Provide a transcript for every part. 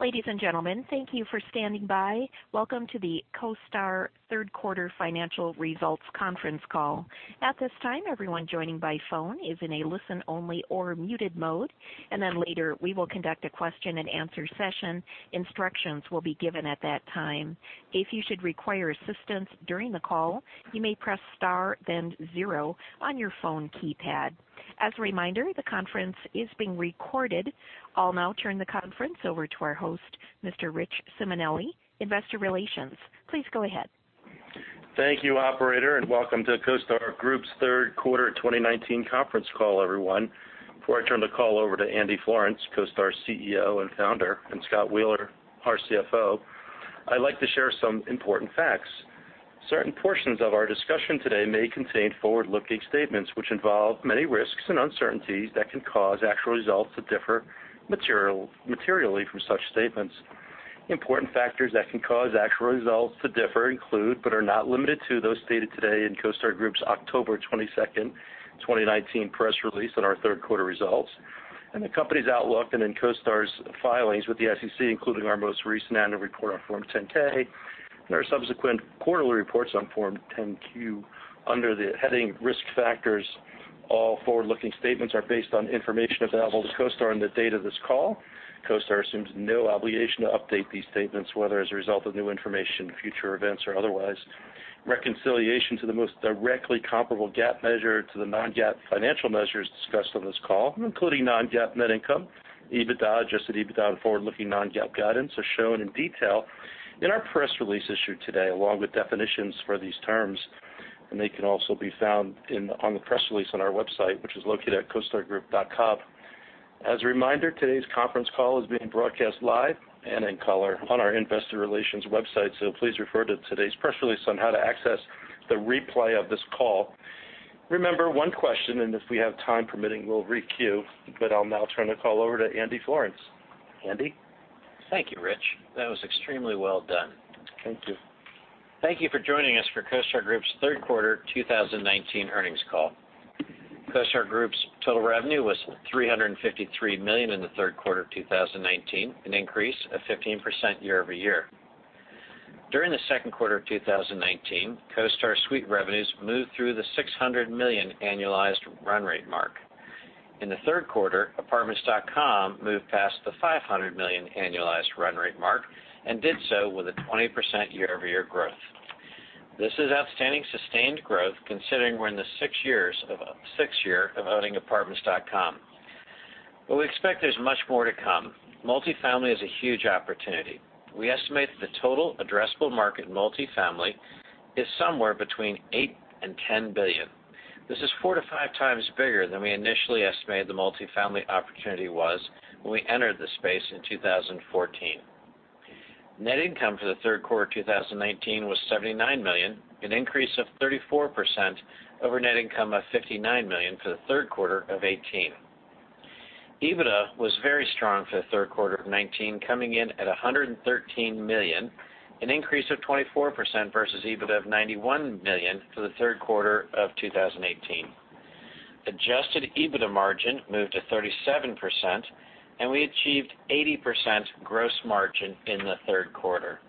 Ladies and gentlemen, thank you for standing by. Welcome to the CoStar Third Quarter Financial Results Conference Call. At this time, everyone joining by phone is in a listen only or muted mode, and then later we will conduct a question and answer session. Instructions will be given at that time. If you should require assistance during the call, you may press star then zero on your phone keypad. As a reminder, the conference is being recorded. I'll now turn the conference over to our host, Mr. Rich Simonelli, investor relations. Please go ahead. Thank you, operator, and welcome to CoStar Group's third quarter 2019 conference call, everyone. Before I turn the call over to Andy Florance, CoStar's CEO and Founder, and Scott Wheeler, our CFO, I'd like to share some important facts. Certain portions of our discussion today may contain forward-looking statements which involve many risks and uncertainties that can cause actual results to differ materially from such statements. Important factors that can cause actual results to differ include, but are not limited to, those stated today in CoStar Group's October 22nd, 2019 press release on our third quarter results and the company's outlook and in CoStar's filings with the SEC, including our most recent annual report on Form 10-K and our subsequent quarterly reports on Form 10-Q under the heading Risk Factors. All forward-looking statements are based on information available to CoStar in the date of this call. CoStar assumes no obligation to update these statements, whether as a result of new information, future events, or otherwise. Reconciliation to the most directly comparable GAAP measure to the non-GAAP financial measures discussed on this call, including non-GAAP net income, EBITDA, adjusted EBITDA, and forward-looking non-GAAP guidance are shown in detail in our press release issued today along with definitions for these terms, and they can also be found on the press release on our website, which is located at costargroup.com. As a reminder, today's conference call is being broadcast live and in color on our investor relations website, please refer to today's press release on how to access the replay of this call. Remember, one question, and if we have time permitting, we'll requeue, but I'll now turn the call over to Andy Florance. Andy? Thank you, Rich. That was extremely well done. Thank you. Thank you for joining us for CoStar Group's third quarter 2019 earnings call. CoStar Group's total revenue was $353 million in the third quarter of 2019, an increase of 15% year-over-year. During the second quarter of 2019, CoStar Suite revenues moved through the $600 million annualized run rate mark. In the third quarter, Apartments.com moved past the $500 million annualized run rate mark and did so with a 20% year-over-year growth. This is outstanding sustained growth considering we're in the sixth year of owning Apartments.com. We expect there's much more to come. Multifamily is a huge opportunity. We estimate that the total addressable market in multifamily is somewhere between $8 billion and $10 billion. This is four to five times bigger than we initially estimated the multifamily opportunity was when we entered the space in 2014. Net income for the third quarter 2019 was $79 million, an increase of 34% over net income of $59 million for the third quarter of 2018. EBITDA was very strong for the third quarter of 2019, coming in at $113 million, an increase of 24% versus EBITDA of $91 million for the third quarter of 2018. Adjusted EBITDA margin moved to 37%, and we achieved 80% gross margin in the third quarter.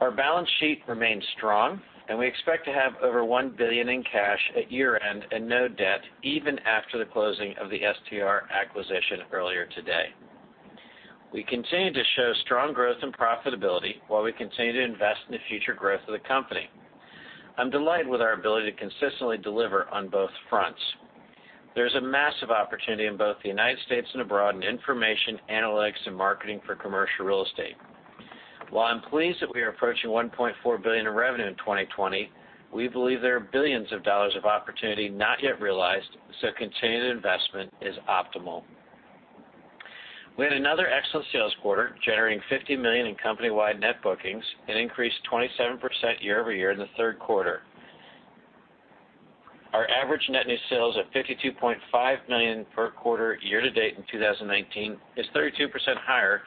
Our balance sheet remains strong, and we expect to have over $1 billion in cash at year-end and no debt even after the closing of the STR acquisition earlier today. We continue to show strong growth and profitability while we continue to invest in the future growth of the company. I'm delighted with our ability to consistently deliver on both fronts. There's a massive opportunity in both the United States and abroad in information, analytics, and marketing for commercial real estate. While I'm pleased that we are approaching $1.4 billion in revenue in 2020, we believe there are billions of dollars of opportunity not yet realized. Continued investment is optimal. We had another excellent sales quarter, generating $50 million in company-wide net bookings, an increase 27% year-over-year in the third quarter. Our average net new sales of $52.5 million per quarter year-to-date in 2019 is 32% higher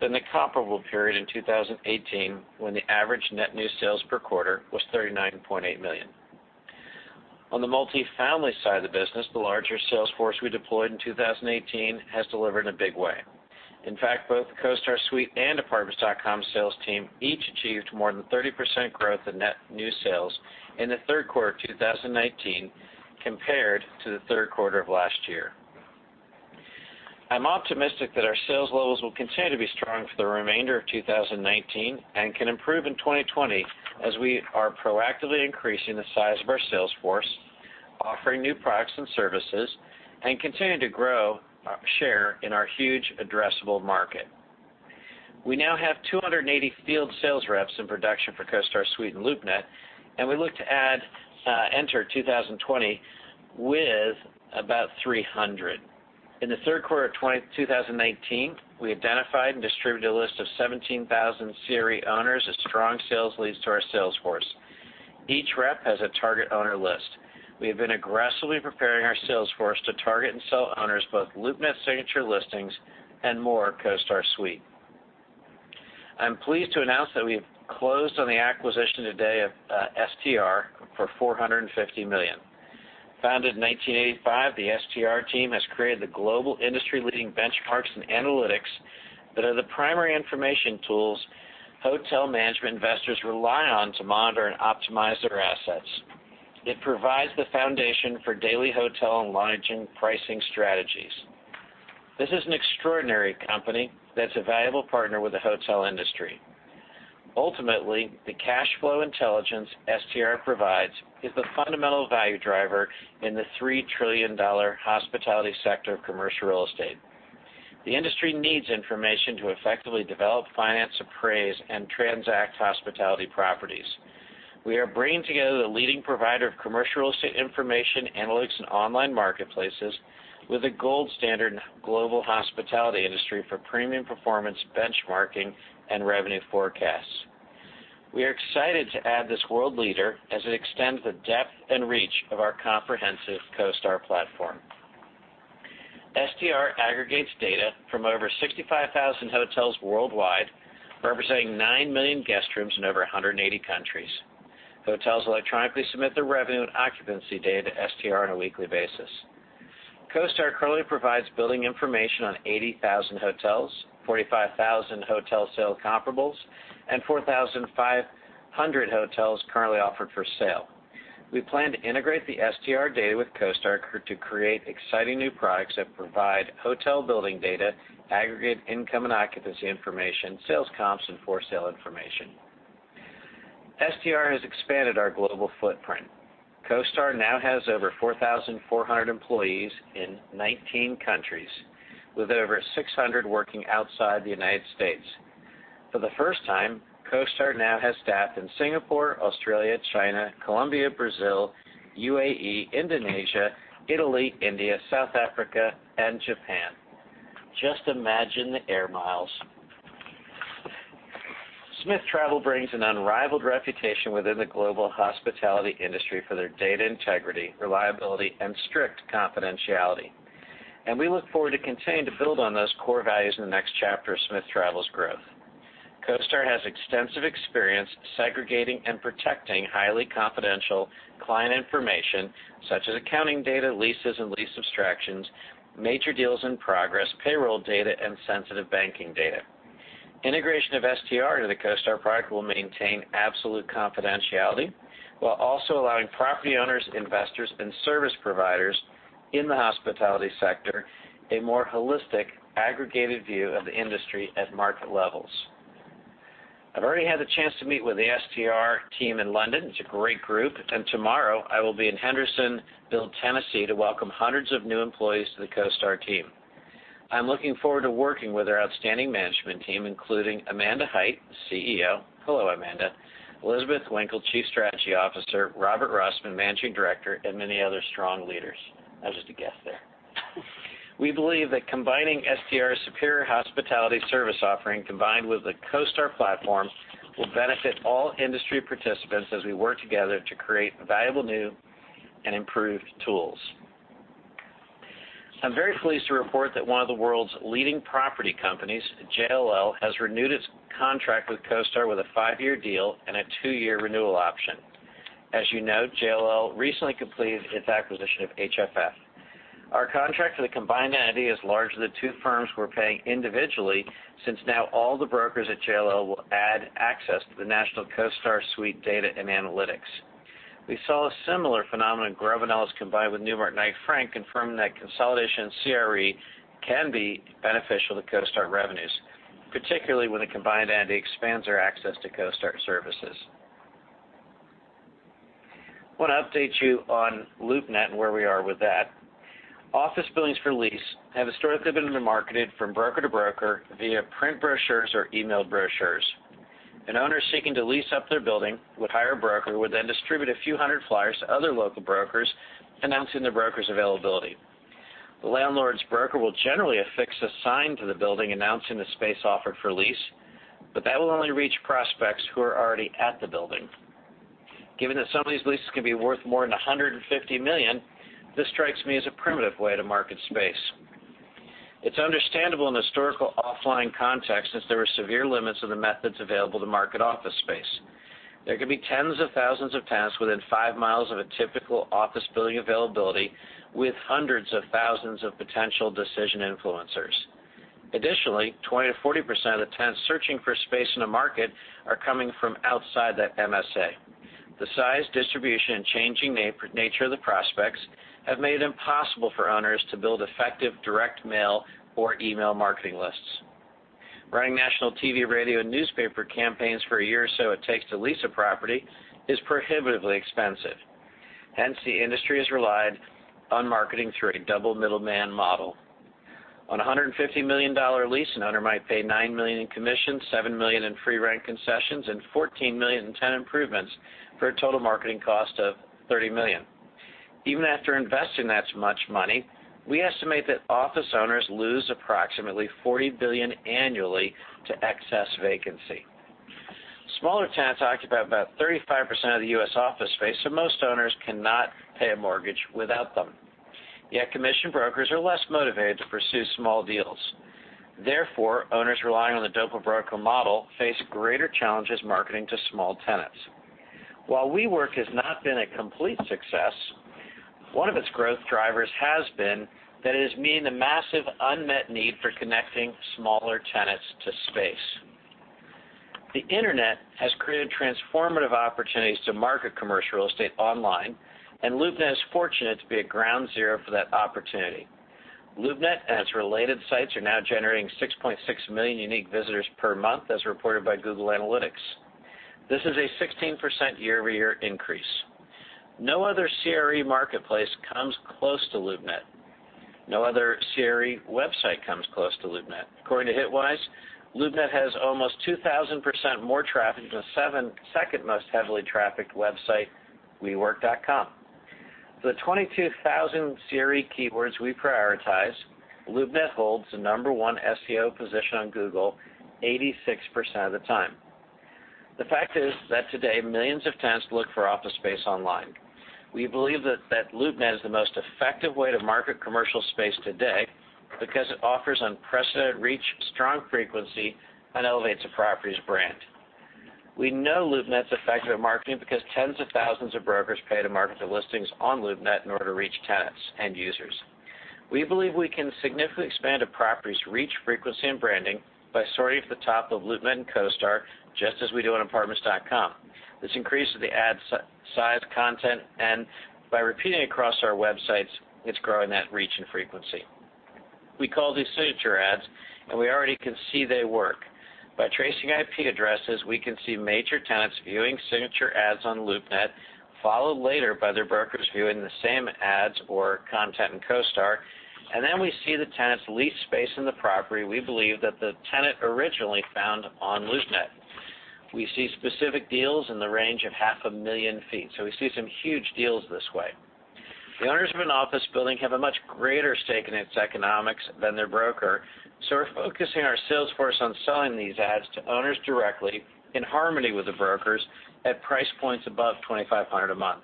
than the comparable period in 2018 when the average net new sales per quarter was $39.8 million. On the multifamily side of the business, the larger sales force we deployed in 2018 has delivered in a big way. In fact, both the CoStar Suite and Apartments.com sales team each achieved more than 30% growth in net new sales in the third quarter of 2019 compared to the third quarter of last year. I'm optimistic that our sales levels will continue to be strong for the remainder of 2019 and can improve in 2020 as we are proactively increasing the size of our sales force, offering new products and services, and continue to grow our share in our huge addressable market. We now have 280 field sales reps in production for CoStar Suite and LoopNet, and we look to enter 2020 with about 300. In the third quarter of 2019, we identified and distributed a list of 17,000 CRE owners as strong sales leads to our sales force. Each rep has a target owner list. We have been aggressively preparing our sales force to target and sell owners both LoopNet Signature Listings and more CoStar Suite. I'm pleased to announce that we have closed on the acquisition today of STR for $450 million. Founded in 1985, the STR team has created the global industry-leading benchmarks in analytics that are the primary information tools hotel management investors rely on to monitor and optimize their assets. It provides the foundation for daily hotel and lodging pricing strategies. This is an extraordinary company that's a valuable partner with the hotel industry. Ultimately, the cash flow intelligence STR provides is the fundamental value driver in the $3 trillion hospitality sector of commercial real estate. The industry needs information to effectively develop, finance, appraise, and transact hospitality properties. We are bringing together the leading provider of commercial real estate information analytics and online marketplaces with a gold standard global hospitality industry for premium performance benchmarking and revenue forecasts. We are excited to add this world leader as it extends the depth and reach of our comprehensive CoStar platform. STR aggregates data from over 65,000 hotels worldwide, representing 9 million guest rooms in over 180 countries. Hotels electronically submit their revenue and occupancy data to STR on a weekly basis. CoStar currently provides building information on 80,000 hotels, 45,000 hotel sale comparables, and 4,500 hotels currently offered for sale. We plan to integrate the STR data with CoStar to create exciting new products that provide hotel building data, aggregate income and occupancy information, sales comps, and for-sale information. STR has expanded our global footprint. CoStar now has over 4,400 employees in 19 countries, with over 600 working outside the U.S. For the first time, CoStar now has staff in Singapore, Australia, China, Colombia, Brazil, U.A.E., Indonesia, Italy, India, South Africa, and Japan. Just imagine the air miles. Smith Travel brings an unrivaled reputation within the global hospitality industry for their data integrity, reliability, and strict confidentiality. We look forward to continuing to build on those core values in the next chapter of Smith Travel's growth. CoStar has extensive experience segregating and protecting highly confidential client information such as accounting data, leases and lease abstractions, major deals in progress, payroll data, and sensitive banking data. Integration of STR into the CoStar product will maintain absolute confidentiality while also allowing property owners, investors, and service providers in the hospitality sector a more holistic, aggregated view of the industry at market levels. I've already had the chance to meet with the STR team in London. It's a great group. Tomorrow, I will be in Hendersonville, Tennessee, to welcome hundreds of new employees to the CoStar team. I'm looking forward to working with our outstanding management team, including Amanda Hite, CEO. Hello, Amanda. Elizabeth Winkle, Chief Strategy Officer, Robin Rossmann, Managing Director, and many other strong leaders. That was just a guess there. We believe that combining STR's superior hospitality service offering combined with the CoStar platform will benefit all industry participants as we work together to create valuable new and improved tools. I'm very pleased to report that one of the world's leading property companies, JLL, has renewed its contract with CoStar with a five-year deal and a two-year renewal option. As you know, JLL recently completed its acquisition of HFF. Our contract for the combined entity is larger than the two firms were paying individually since now all the brokers at JLL will add access to the national CoStar Suite data and analytics. We saw a similar phenomenon when Grubb & Ellis combined with Newmark Knight Frank, confirming that consolidation in CRE can be beneficial to CoStar revenues, particularly when a combined entity expands our access to CoStar services. I want to update you on LoopNet and where we are with that. Office buildings for lease have historically been marketed from broker to broker via print brochures or emailed brochures. An owner seeking to lease up their building would hire a broker who would then distribute a few hundred flyers to other local brokers announcing the broker's availability. The landlord's broker will generally affix a sign to the building announcing the space offered for lease, that will only reach prospects who are already at the building. Given that some of these leases can be worth more than $150 million, this strikes me as a primitive way to market space. It's understandable in the historical offline context, since there were severe limits on the methods available to market office space. There could be tens of thousands of tenants within five miles of a typical office building availability, with hundreds of thousands of potential decision influencers. Additionally, 20%-40% of tenants searching for space in a market are coming from outside that MSA. The size, distribution, and changing nature of the prospects have made it impossible for owners to build effective direct mail or email marketing lists. Running national TV, radio, and newspaper campaigns for a year or so it takes to lease a property is prohibitively expensive. The industry has relied on marketing through a double middleman model. On a $150 million lease, an owner might pay $9 million in commission, $7 million in free rent concessions, and $14 million in tenant improvements for a total marketing cost of $30 million. Even after investing that much money, we estimate that office owners lose approximately $40 billion annually to excess vacancy. Smaller tenants occupy about 35% of the U.S. office space, so most owners cannot pay a mortgage without them. Commission brokers are less motivated to pursue small deals. Owners relying on the broker model face greater challenges marketing to small tenants. While WeWork has not been a complete success, one of its growth drivers has been that it is meeting the massive unmet need for connecting smaller tenants to space. The internet has created transformative opportunities to market commercial real estate online. LoopNet is fortunate to be at ground zero for that opportunity. LoopNet and its related sites are now generating 6.6 million unique visitors per month, as reported by Google Analytics. This is a 16% year-over-year increase. No other CRE marketplace comes close to LoopNet. No other CRE website comes close to LoopNet. According to Hitwise, LoopNet has almost 2,000% more traffic than the second-most heavily trafficked website, wework.com. For the 22,000 CRE keywords we prioritize, LoopNet holds the number one SEO position on Google 86% of the time. The fact is that today, millions of tenants look for office space online. We believe that LoopNet is the most effective way to market commercial space today because it offers unprecedented reach, strong frequency, and elevates a property's brand. We know LoopNet's effective at marketing because tens of thousands of brokers pay to market their listings on LoopNet in order to reach tenants and users. We believe we can significantly expand a property's reach, frequency, and branding by sorting at the top of LoopNet and CoStar, just as we do on apartments.com. This increases the ad size, content, and by repeating across our websites, it's growing that reach and frequency. We call these Signature Ads, and we already can see they work. By tracing IP addresses, we can see major tenants viewing Signature Ads on LoopNet, followed later by their brokers viewing the same ads or content in CoStar. Then we see the tenants lease space in the property we believe that the tenant originally found on LoopNet. We see specific deals in the range of half a million feet. We see some huge deals this way. The owners of an office building have a much greater stake in its economics than their broker. We're focusing our sales force on selling these ads to owners directly in harmony with the brokers at price points above $2,500 a month.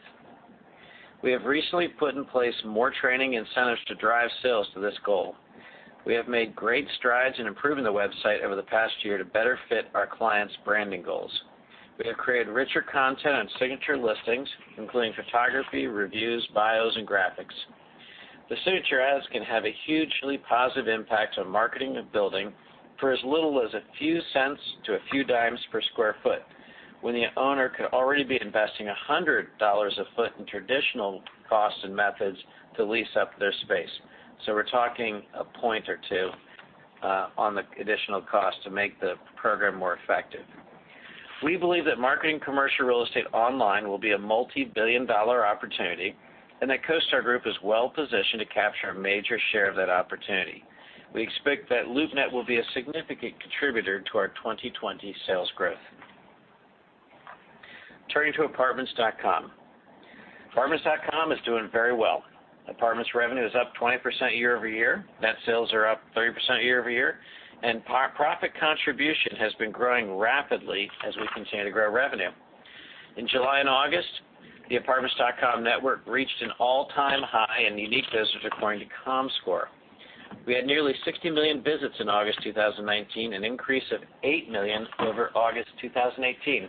We have recently put in place more training incentives to drive sales to this goal. We have made great strides in improving the website over the past year to better fit our clients' branding goals. We have created richer content on Signature Listings, including photography, reviews, bios, and graphics. The Signature Ads can have a hugely positive impact on marketing a building for as little as a few cents to a few dimes per sq ft, when the owner could already be investing $100 a foot in traditional costs and methods to lease up their space. We're talking one or two points on the additional cost to make the program more effective. We believe that marketing commercial real estate online will be a multibillion-dollar opportunity and that CoStar Group is well-positioned to capture a major share of that opportunity. We expect that LoopNet will be a significant contributor to our 2020 sales growth. Turning to Apartments.com. Apartments.com is doing very well. Apartments revenue is up 20% year-over-year. Net sales are up 30% year-over-year. Profit contribution has been growing rapidly as we continue to grow revenue. In July and August, the Apartments.com network reached an all-time high in unique visitors, according to Comscore. We had nearly 60 million visits in August 2019, an increase of 8 million over August 2018.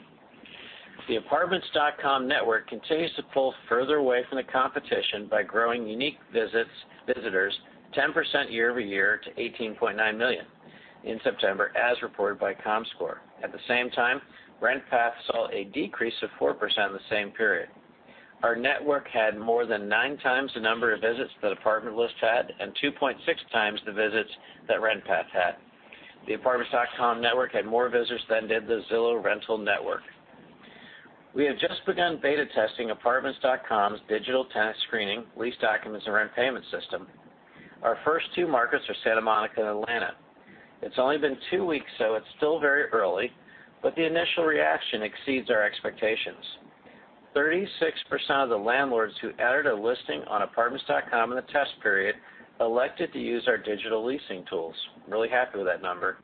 The Apartments.com network continues to pull further away from the competition by growing unique visitors 10% year-over-year to 18.9 million in September, as reported by Comscore. At the same time, RentPath saw a decrease of 4% in the same period. Our network had more than nine times the number of visits that Apartment List had and 2.6 times the visits that RentPath had. The Apartments.com network had more visitors than did the Zillow rental network. We have just begun beta testing Apartments.com's digital tenant screening, lease documents, and rent payment system. Our first two markets are Santa Monica and Atlanta. It's only been two weeks, so it's still very early, but the initial reaction exceeds our expectations. 36% of the landlords who added a listing on apartments.com in the test period elected to use our digital leasing tools. Really happy with that number.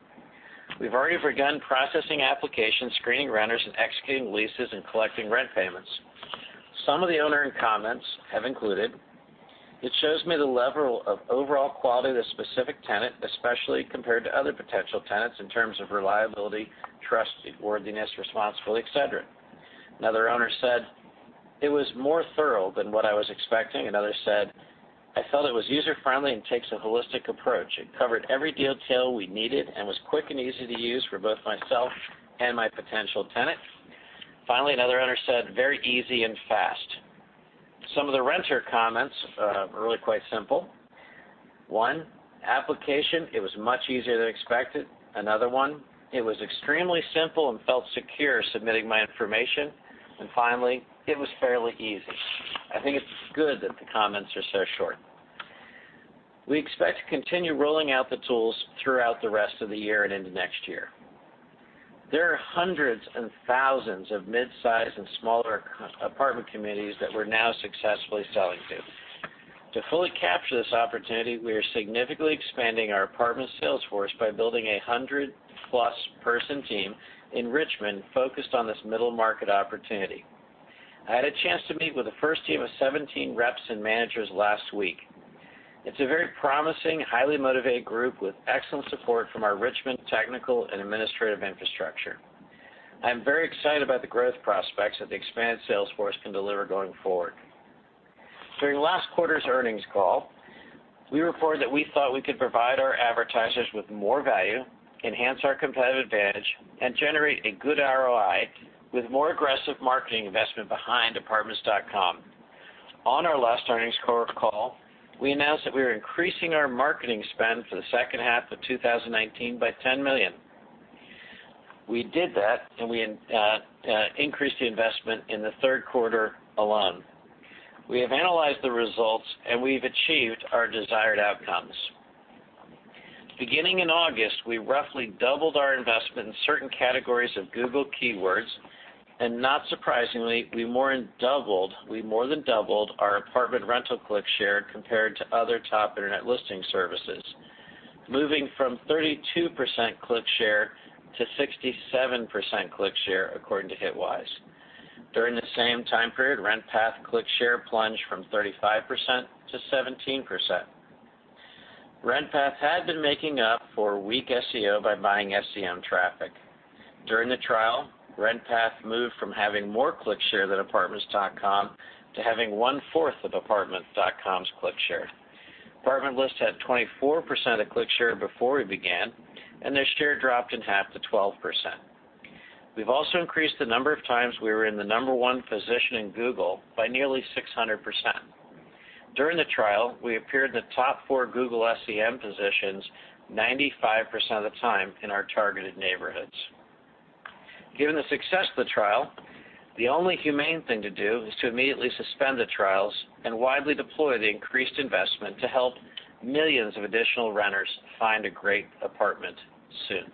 We've already begun processing applications, screening renters, and executing leases and collecting rent payments. Some of the owner comments have included, "It shows me the level of overall quality of the specific tenant, especially compared to other potential tenants in terms of reliability, trust, worthiness, responsibility, et cetera." Another owner said, "It was more thorough than what I was expecting." Another said, "I felt it was user-friendly and takes a holistic approach. It covered every detail we needed and was quick and easy to use for both myself and my potential tenant." Finally, another owner said, "Very easy and fast." Some of the renter comments are really quite simple. One, "Application, it was much easier than expected." Another one, "It was extremely simple and felt secure submitting my information." Finally, "It was fairly easy." I think it's good that the comments are so short. We expect to continue rolling out the tools throughout the rest of the year and into next year. There are hundreds and thousands of midsize and smaller apartment communities that we're now successfully selling to. To fully capture this opportunity, we are significantly expanding our apartment sales force by building a 100-plus person team in Richmond focused on this middle-market opportunity. I had a chance to meet with the first team of 17 reps and managers last week. It's a very promising, highly motivated group with excellent support from our Richmond technical and administrative infrastructure. I'm very excited about the growth prospects that the expanded sales force can deliver going forward. During last quarter's earnings call, we reported that we thought we could provide our advertisers with more value, enhance our competitive advantage, and generate a good ROI with more aggressive marketing investment behind apartments.com. On our last earnings call, we announced that we are increasing our marketing spend for the second half of 2019 by $10 million. We did that, and we increased the investment in the third quarter alone. We have analyzed the results, and we've achieved our desired outcomes. Beginning in August, we roughly doubled our investment in certain categories of Google keywords. Not surprisingly, we more than doubled our apartment rental click share compared to other top internet listing services, moving from 32% click share to 67% click share, according to Hitwise. During the same time period, RentPath click share plunged from 35% to 17%. RentPath had been making up for weak SEO by buying SEM traffic. During the trial, RentPath moved from having more click share than apartments.com to having one-fourth of apartments.com's click share. Apartment List had 24% of click share before we began. Their share dropped in half to 12%. We've also increased the number of times we were in the number one position in Google by nearly 600%. During the trial, we appeared in the top four Google SEM positions 95% of the time in our targeted neighborhoods. Given the success of the trial, the only humane thing to do is to immediately suspend the trials and widely deploy the increased investment to help millions of additional renters find a great apartment soon.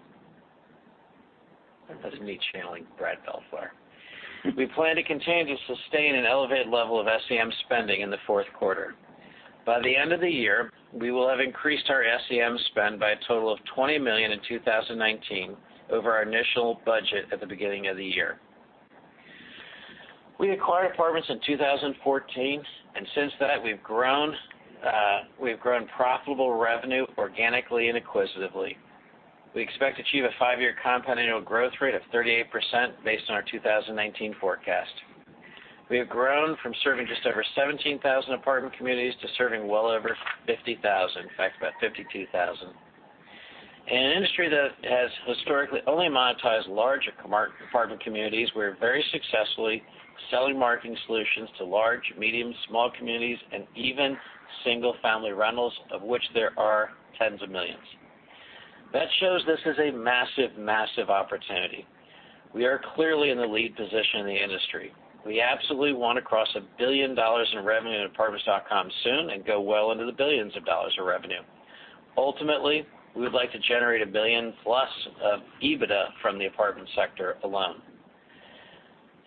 That doesn't mean channeling Scott Wheeler. We plan to continue to sustain an elevated level of SEM spending in the fourth quarter. By the end of the year, we will have increased our SEM spend by a total of $20 million in 2019 over our initial budget at the beginning of the year. Since then, we've grown profitable revenue organically and acquisitively. We expect to achieve a five-year compound annual growth rate of 38% based on our 2019 forecast. We have grown from serving just over 17,000 apartment communities to serving well over 50,000. In fact, about 52,000. In an industry that has historically only monetized larger apartment communities, we're very successfully selling marketing solutions to large, medium, small communities, and even single-family rentals, of which there are tens of millions. That shows this is a massive opportunity. We are clearly in the lead position in the industry. We absolutely want to cross $1 billion in revenue at Apartments.com soon and go well into the billions of dollars of revenue. Ultimately, we would like to generate $1 billion-plus of EBITDA from the apartment sector alone.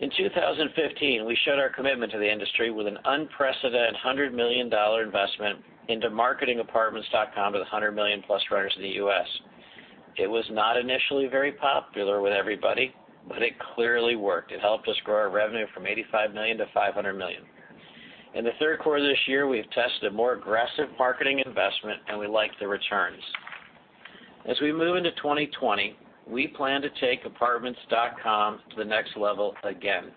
In 2015, we showed our commitment to the industry with an unprecedented $100 million investment into marketing Apartments.com to the 100 million-plus renters in the U.S. It was not initially very popular with everybody, but it clearly worked. It helped us grow our revenue from $85 million to $500 million. In the third quarter this year, we've tested a more aggressive marketing investment, and we like the returns. As we move into 2020, we plan to take apartments.com to the next level again.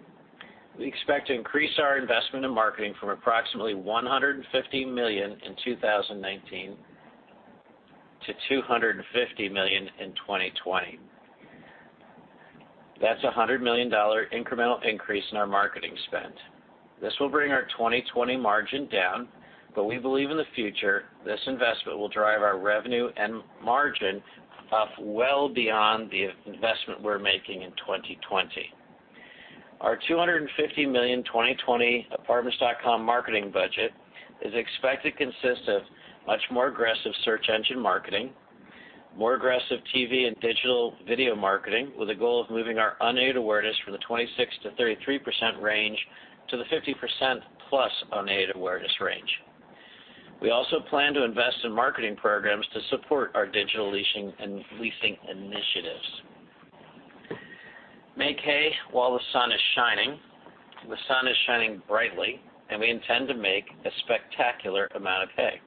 We expect to increase our investment in marketing from approximately $150 million in 2019 to $250 million in 2020. That's a $100 million incremental increase in our marketing spend. This will bring our 2020 margin down, but we believe in the future, this investment will drive our revenue and margin up well beyond the investment we're making in 2020. Our $250 million 2020 apartments.com marketing budget is expected to consist of much more aggressive search engine marketing, more aggressive TV and digital video marketing, with a goal of moving our unaided awareness from the 26%-33% range to the 50%-plus unaided awareness range. We also plan to invest in marketing programs to support our digital leasing initiatives. Make hay while the sun is shining. The sun is shining brightly, and we intend to make a spectacular amount of hay.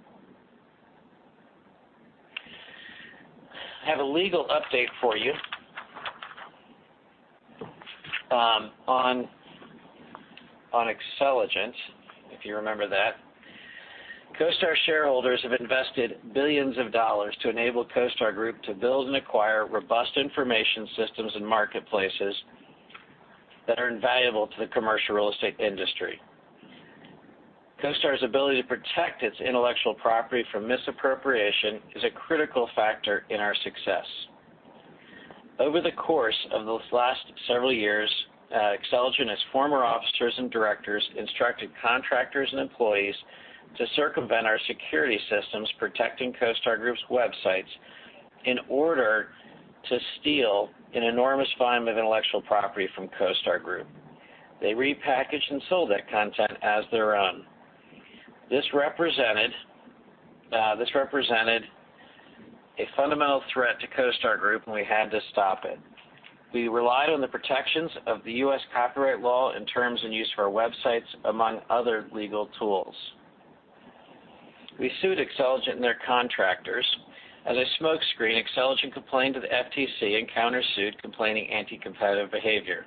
I have a legal update for you on Xceligent, if you remember that. CoStar shareholders have invested billions of dollars to enable CoStar Group to build and acquire robust information systems and marketplaces that are invaluable to the commercial real estate industry. CoStar's ability to protect its intellectual property from misappropriation is a critical factor in our success. Over the course of the last several years, Xceligent and its former officers and directors instructed contractors and employees to circumvent our security systems protecting CoStar Group's websites in order to steal an enormous volume of intellectual property from CoStar Group. They repackaged and sold that content as their own. This represented a fundamental threat to CoStar Group, and we had to stop it. We relied on the protections of the U.S. copyright law and terms and use of our websites, among other legal tools. We sued Xceligent and their contractors. As a smokescreen, Xceligent complained to the FTC and countersued, complaining anti-competitive behavior.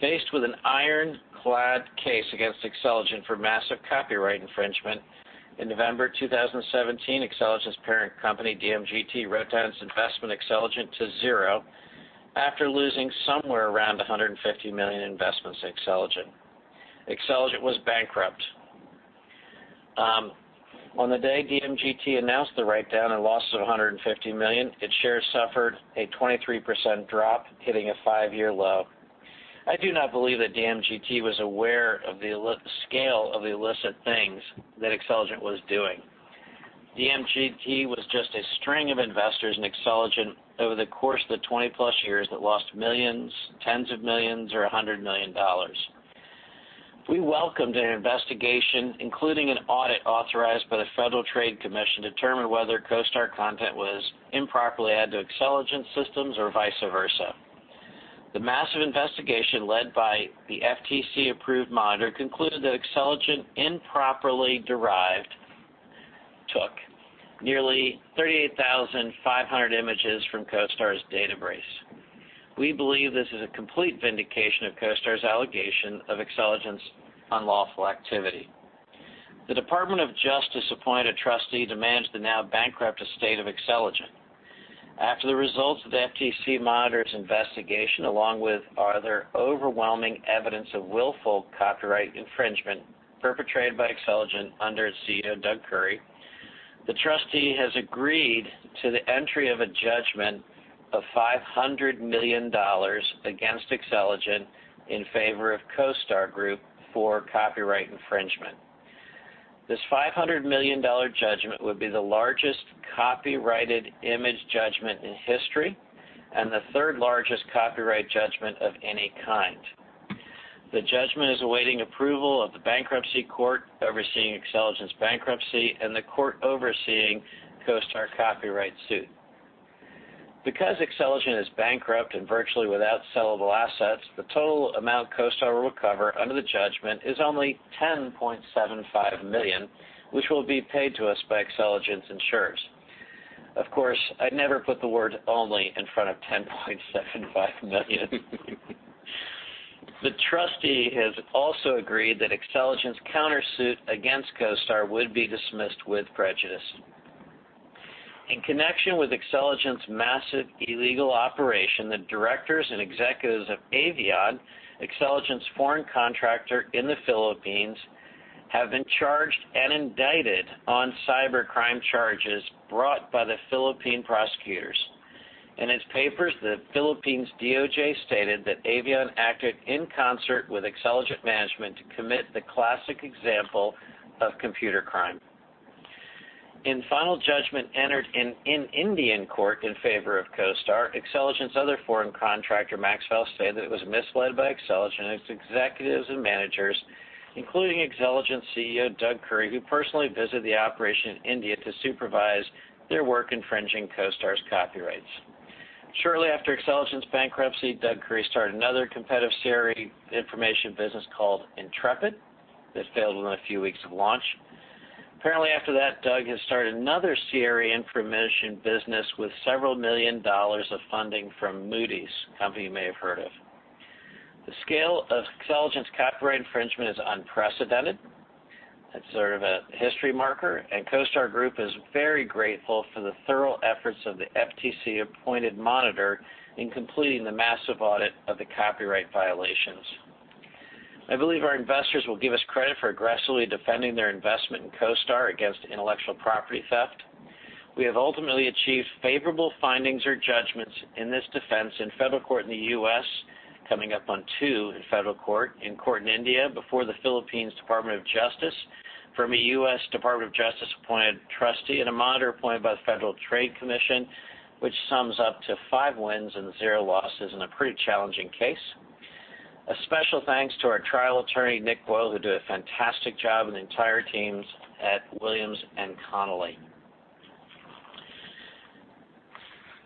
Faced with an ironclad case against Xceligent for massive copyright infringement, in November 2017, Xceligent's parent company, DMGT, wrote down its investment Xceligent to zero after losing somewhere around $150 million in investments in Xceligent. Xceligent was bankrupt. On the day DMGT announced the write-down and loss of $150 million, its shares suffered a 23% drop, hitting a five-year low. I do not believe that DMGT was aware of the scale of the illicit things that Xceligent was doing. DMGT was just a string of investors in Xceligent over the course of the 20-plus years that lost millions, tens of millions or $100 million. We welcomed an investigation, including an audit authorized by the Federal Trade Commission, to determine whether CoStar content was improperly added to Xceligent's systems or vice versa. The massive investigation, led by the FTC-approved monitor, concluded that Xceligent improperly derived, took, nearly 38,500 images from CoStar's database. We believe this is a complete vindication of CoStar's allegation of Xceligent's unlawful activity. The Department of Justice appointed a trustee to manage the now bankrupt estate of Xceligent. After the results of the FTC monitor's investigation, along with other overwhelming evidence of willful copyright infringement perpetrated by Xceligent under its CEO, Doug Curry, the trustee has agreed to the entry of a judgment of $500 million against Xceligent in favor of CoStar Group for copyright infringement. This $500 million judgment would be the largest copyrighted image judgment in history and the third-largest copyright judgment of any kind. The judgment is awaiting approval of the bankruptcy court overseeing Xceligent's bankruptcy and the court overseeing CoStar copyright suit. Because Xceligent is bankrupt and virtually without sellable assets, the total amount CoStar will recover under the judgment is only $10.75 million, which will be paid to us by Xceligent's insurers. Of course, I'd never put the word only in front of $10.75 million. The trustee has also agreed that Xceligent's countersuit against CoStar would be dismissed with prejudice. In connection with Xceligent's massive illegal operation, the directors and executives of Avion, Xceligent's foreign contractor in the Philippines, have been charged and indicted on cybercrime charges brought by the Philippine prosecutors. In its papers, the Philippines DOJ stated that Avion acted in concert with Xceligent management to commit the classic example of computer crime. In final judgment entered in Indian court in favor of CoStar, Xceligent's other foreign contractor, MaxVal, stated that it was misled by Xceligent and its executives and managers, including Xceligent CEO Doug Curry, who personally visited the operation in India to supervise their work infringing CoStar's copyrights. Shortly after Xceligent's bankruptcy, Doug Curry started another competitive CRE information business called Intrepid that failed within a few weeks of launch. Apparently, after that, Doug has started another CRE information business with several million dollars of funding from Moody's, a company you may have heard of. The scale of Xceligent's copyright infringement is unprecedented. That's sort of a history marker, and CoStar Group is very grateful for the thorough efforts of the FTC-appointed monitor in completing the massive audit of the copyright violations. I believe our investors will give us credit for aggressively defending their investment in CoStar against intellectual property theft. We have ultimately achieved favorable findings or judgments in this defense in federal court in the U.S., coming up on two in federal court, in court in India, before the Philippines Department of Justice, from a U.S. Department of Justice-appointed trustee, and a monitor appointed by the Federal Trade Commission, which sums up to five wins and zero losses in a pretty challenging case. A special thanks to our trial attorney, Nick Boyle, who did a fantastic job, and the entire teams at Williams & Connolly.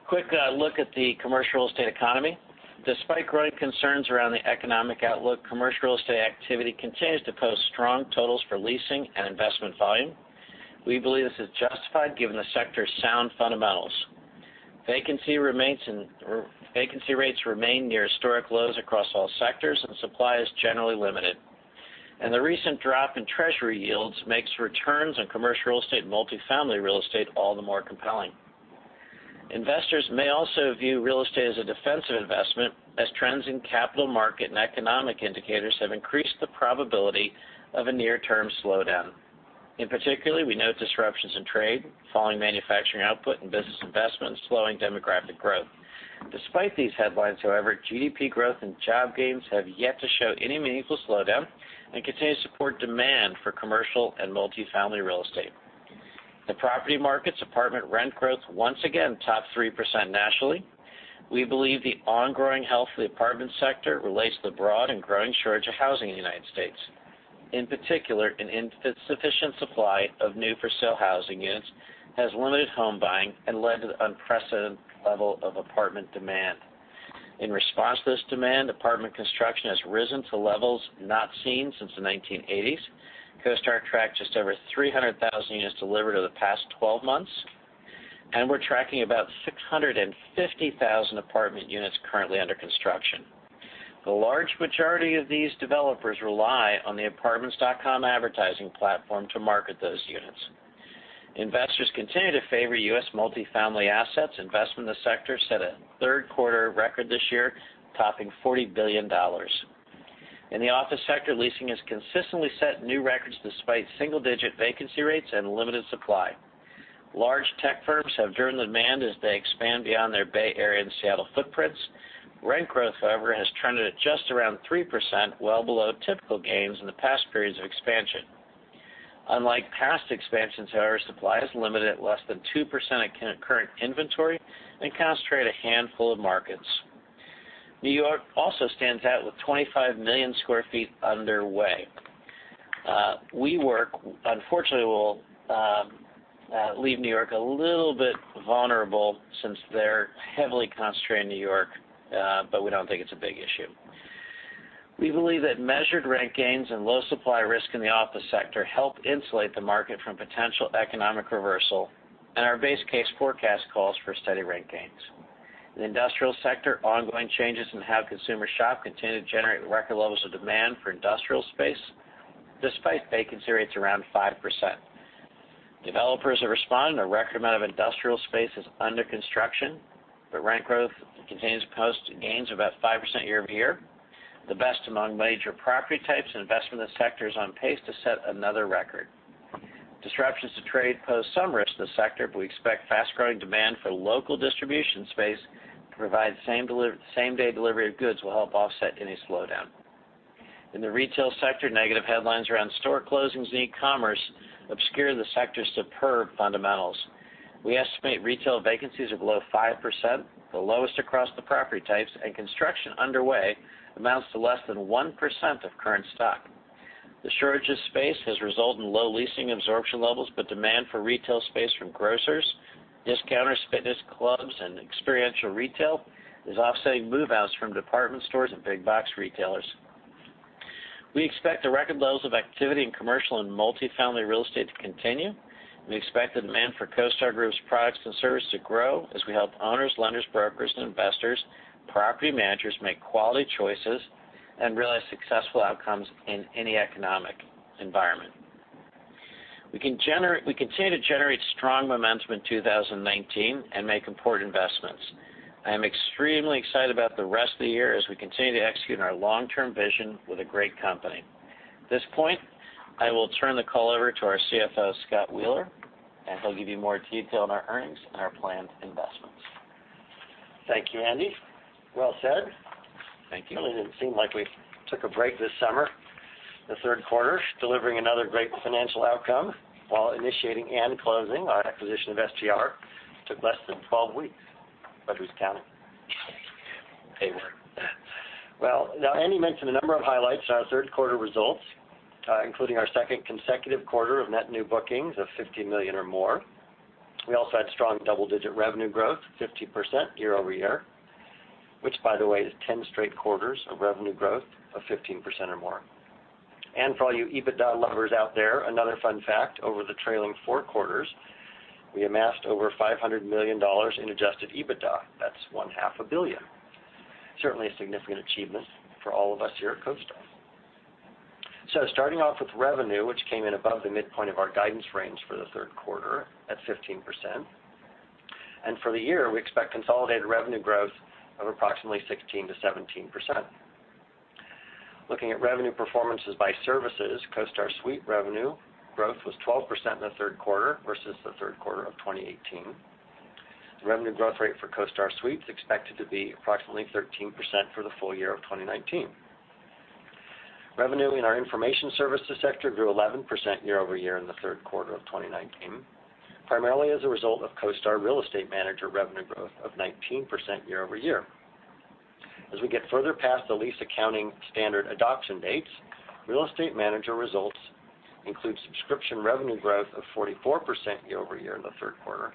Quick look at the commercial real estate economy. Despite growing concerns around the economic outlook, commercial real estate activity continues to post strong totals for leasing and investment volume. We believe this is justified given the sector's sound fundamentals. Vacancy rates remain near historic lows across all sectors and supply is generally limited. The recent drop in Treasury yields makes returns on commercial real estate and multi-family real estate all the more compelling. Investors may also view real estate as a defensive investment as trends in capital markets and economic indicators have increased the probability of a near-term slowdown. In particular, we note disruptions in trade, falling manufacturing output and business investment, and slowing demographic growth. Despite these headlines, however, GDP growth and job gains have yet to show any meaningful slowdown and continue to support demand for commercial and multi-family real estate. The property markets apartment rent growth once again topped 3% nationally. We believe the ongoing health of the apartment sector relates to the broad and growing shortage of housing in the U.S. In particular, an insufficient supply of new-for-sale housing units has limited home buying and led to the unprecedented level of apartment demand. In response to this demand, apartment construction has risen to levels not seen since the 1980s. CoStar tracked just over 300,000 units delivered over the past 12 months, and we're tracking about 650,000 apartment units currently under construction. The large majority of these developers rely on the apartments.com advertising platform to market those units. Investors continue to favor U.S. multifamily assets. Investment in the sector set a third quarter record this year, topping $40 billion. In the office sector, leasing has consistently set new records despite single-digit vacancy rates and limited supply. Large tech firms have driven demand as they expand beyond their Bay Area and Seattle footprints. Rent growth, however, has trended at just around 3%, well below typical gains in the past periods of expansion. Unlike past expansions, however, supply is limited at less than 2% of current inventory and concentrated in a handful of markets. New York also stands out with 25 million sq ft underway. WeWork, unfortunately, will leave New York a little bit vulnerable since they're heavily concentrated in New York, but we don't think it's a big issue. We believe that measured rent gains and low supply risk in the office sector help insulate the market from potential economic reversal, and our base case forecast calls for steady rent gains. In the industrial sector, ongoing changes in how consumers shop continue to generate record levels of demand for industrial space, despite vacancy rates around 5%. Developers are responding. A record amount of industrial space is under construction, but rent growth continues to post gains of about 5% year-over-year, the best among major property types, and investment in the sector is on pace to set another record. Disruptions to trade pose some risk to the sector, but we expect fast-growing demand for local distribution space to provide same-day delivery of goods will help offset any slowdown. In the retail sector, negative headlines around store closings and e-commerce obscure the sector's superb fundamentals. We estimate retail vacancies are below 5%, the lowest across the property types, and construction underway amounts to less than 1% of current stock. The shortage of space has resulted in low leasing absorption levels, but demand for retail space from grocers, discounters, fitness clubs, and experiential retail is offsetting move-outs from department stores and big-box retailers. We expect the record levels of activity in commercial and multifamily real estate to continue. We expect the demand for CoStar Group's products and services to grow as we help owners, lenders, brokers, investors, and property managers make quality choices and realize successful outcomes in any economic environment. We continue to generate strong momentum in 2019 and make important investments. I am extremely excited about the rest of the year as we continue to execute on our long-term vision with a great company. At this point, I will turn the call over to our CFO, Scott Wheeler, and he'll give you more detail on our earnings and our planned investments. Thank you, Andy. Well said. Thank you. Really didn't seem like we took a break this summer. The third quarter, delivering another great financial outcome while initiating and closing our acquisition of STR. Took less than 12 weeks. Who's counting? They were. Well, now Andy mentioned a number of highlights in our third quarter results, including our second consecutive quarter of net new bookings of $50 million or more. We also had strong double-digit revenue growth, 15% year-over-year, which by the way, is 10 straight quarters of revenue growth of 15% or more. For all you EBITDA lovers out there, another fun fact, over the trailing four quarters, we amassed over $500 million in adjusted EBITDA. That's one-half a billion. Certainly a significant achievement for all of us here at CoStar. Starting off with revenue, which came in above the midpoint of our guidance range for the third quarter at 15%. For the year, we expect consolidated revenue growth of approximately 16%-17%. Looking at revenue performances by services, CoStar Suite revenue growth was 12% in the third quarter versus the third quarter of 2018. The revenue growth rate for CoStar Suite is expected to be approximately 13% for the full year of 2019. Revenue in our information services sector grew 11% year-over-year in the third quarter of 2019, primarily as a result of CoStar Real Estate Manager revenue growth of 19% year-over-year. As we get further past the lease accounting standard adoption dates, Real Estate Manager results include subscription revenue growth of 44% year-over-year in the third quarter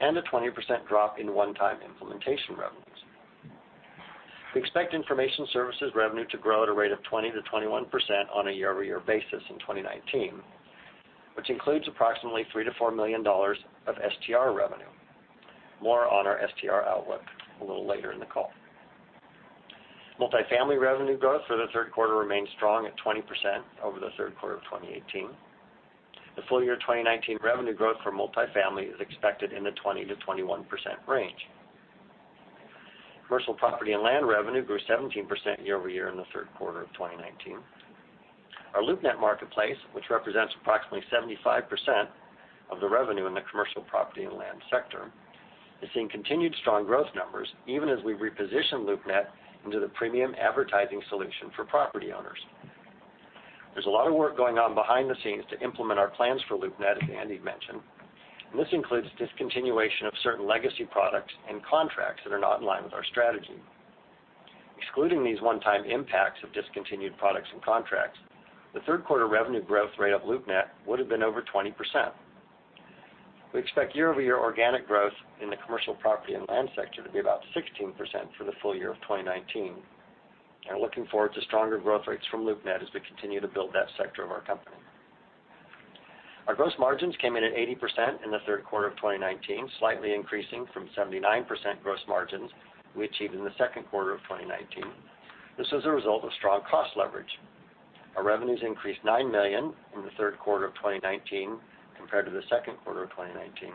and a 20% drop in one-time implementation revenues. We expect information services revenue to grow at a rate of 20%-21% on a year-over-year basis in 2019, which includes approximately $3 million-$4 million of STR revenue. More on our STR outlook a little later in the call. Multifamily revenue growth for the third quarter remained strong at 20% over the third quarter of 2018. The full-year 2019 revenue growth for multifamily is expected in the 20%-21% range. Commercial property and land revenue grew 17% year-over-year in the third quarter of 2019. Our LoopNet marketplace, which represents approximately 75% of the revenue in the commercial property and land sector, is seeing continued strong growth numbers even as we reposition LoopNet into the premium advertising solution for property owners. There's a lot of work going on behind the scenes to implement our plans for LoopNet, as Andy mentioned, and this includes discontinuation of certain legacy products and contracts that are not in line with our strategy. Excluding these one-time impacts of discontinued products and contracts, the third quarter revenue growth rate of LoopNet would've been over 20%. We expect year-over-year organic growth in the commercial property and land sector to be about 16% for the full year of 2019, and are looking forward to stronger growth rates from LoopNet as we continue to build that sector of our company. Our gross margins came in at 80% in the third quarter of 2019, slightly increasing from 79% gross margins we achieved in the second quarter of 2019. This was a result of strong cost leverage. Our revenues increased $9 million in the third quarter of 2019 compared to the second quarter of 2019,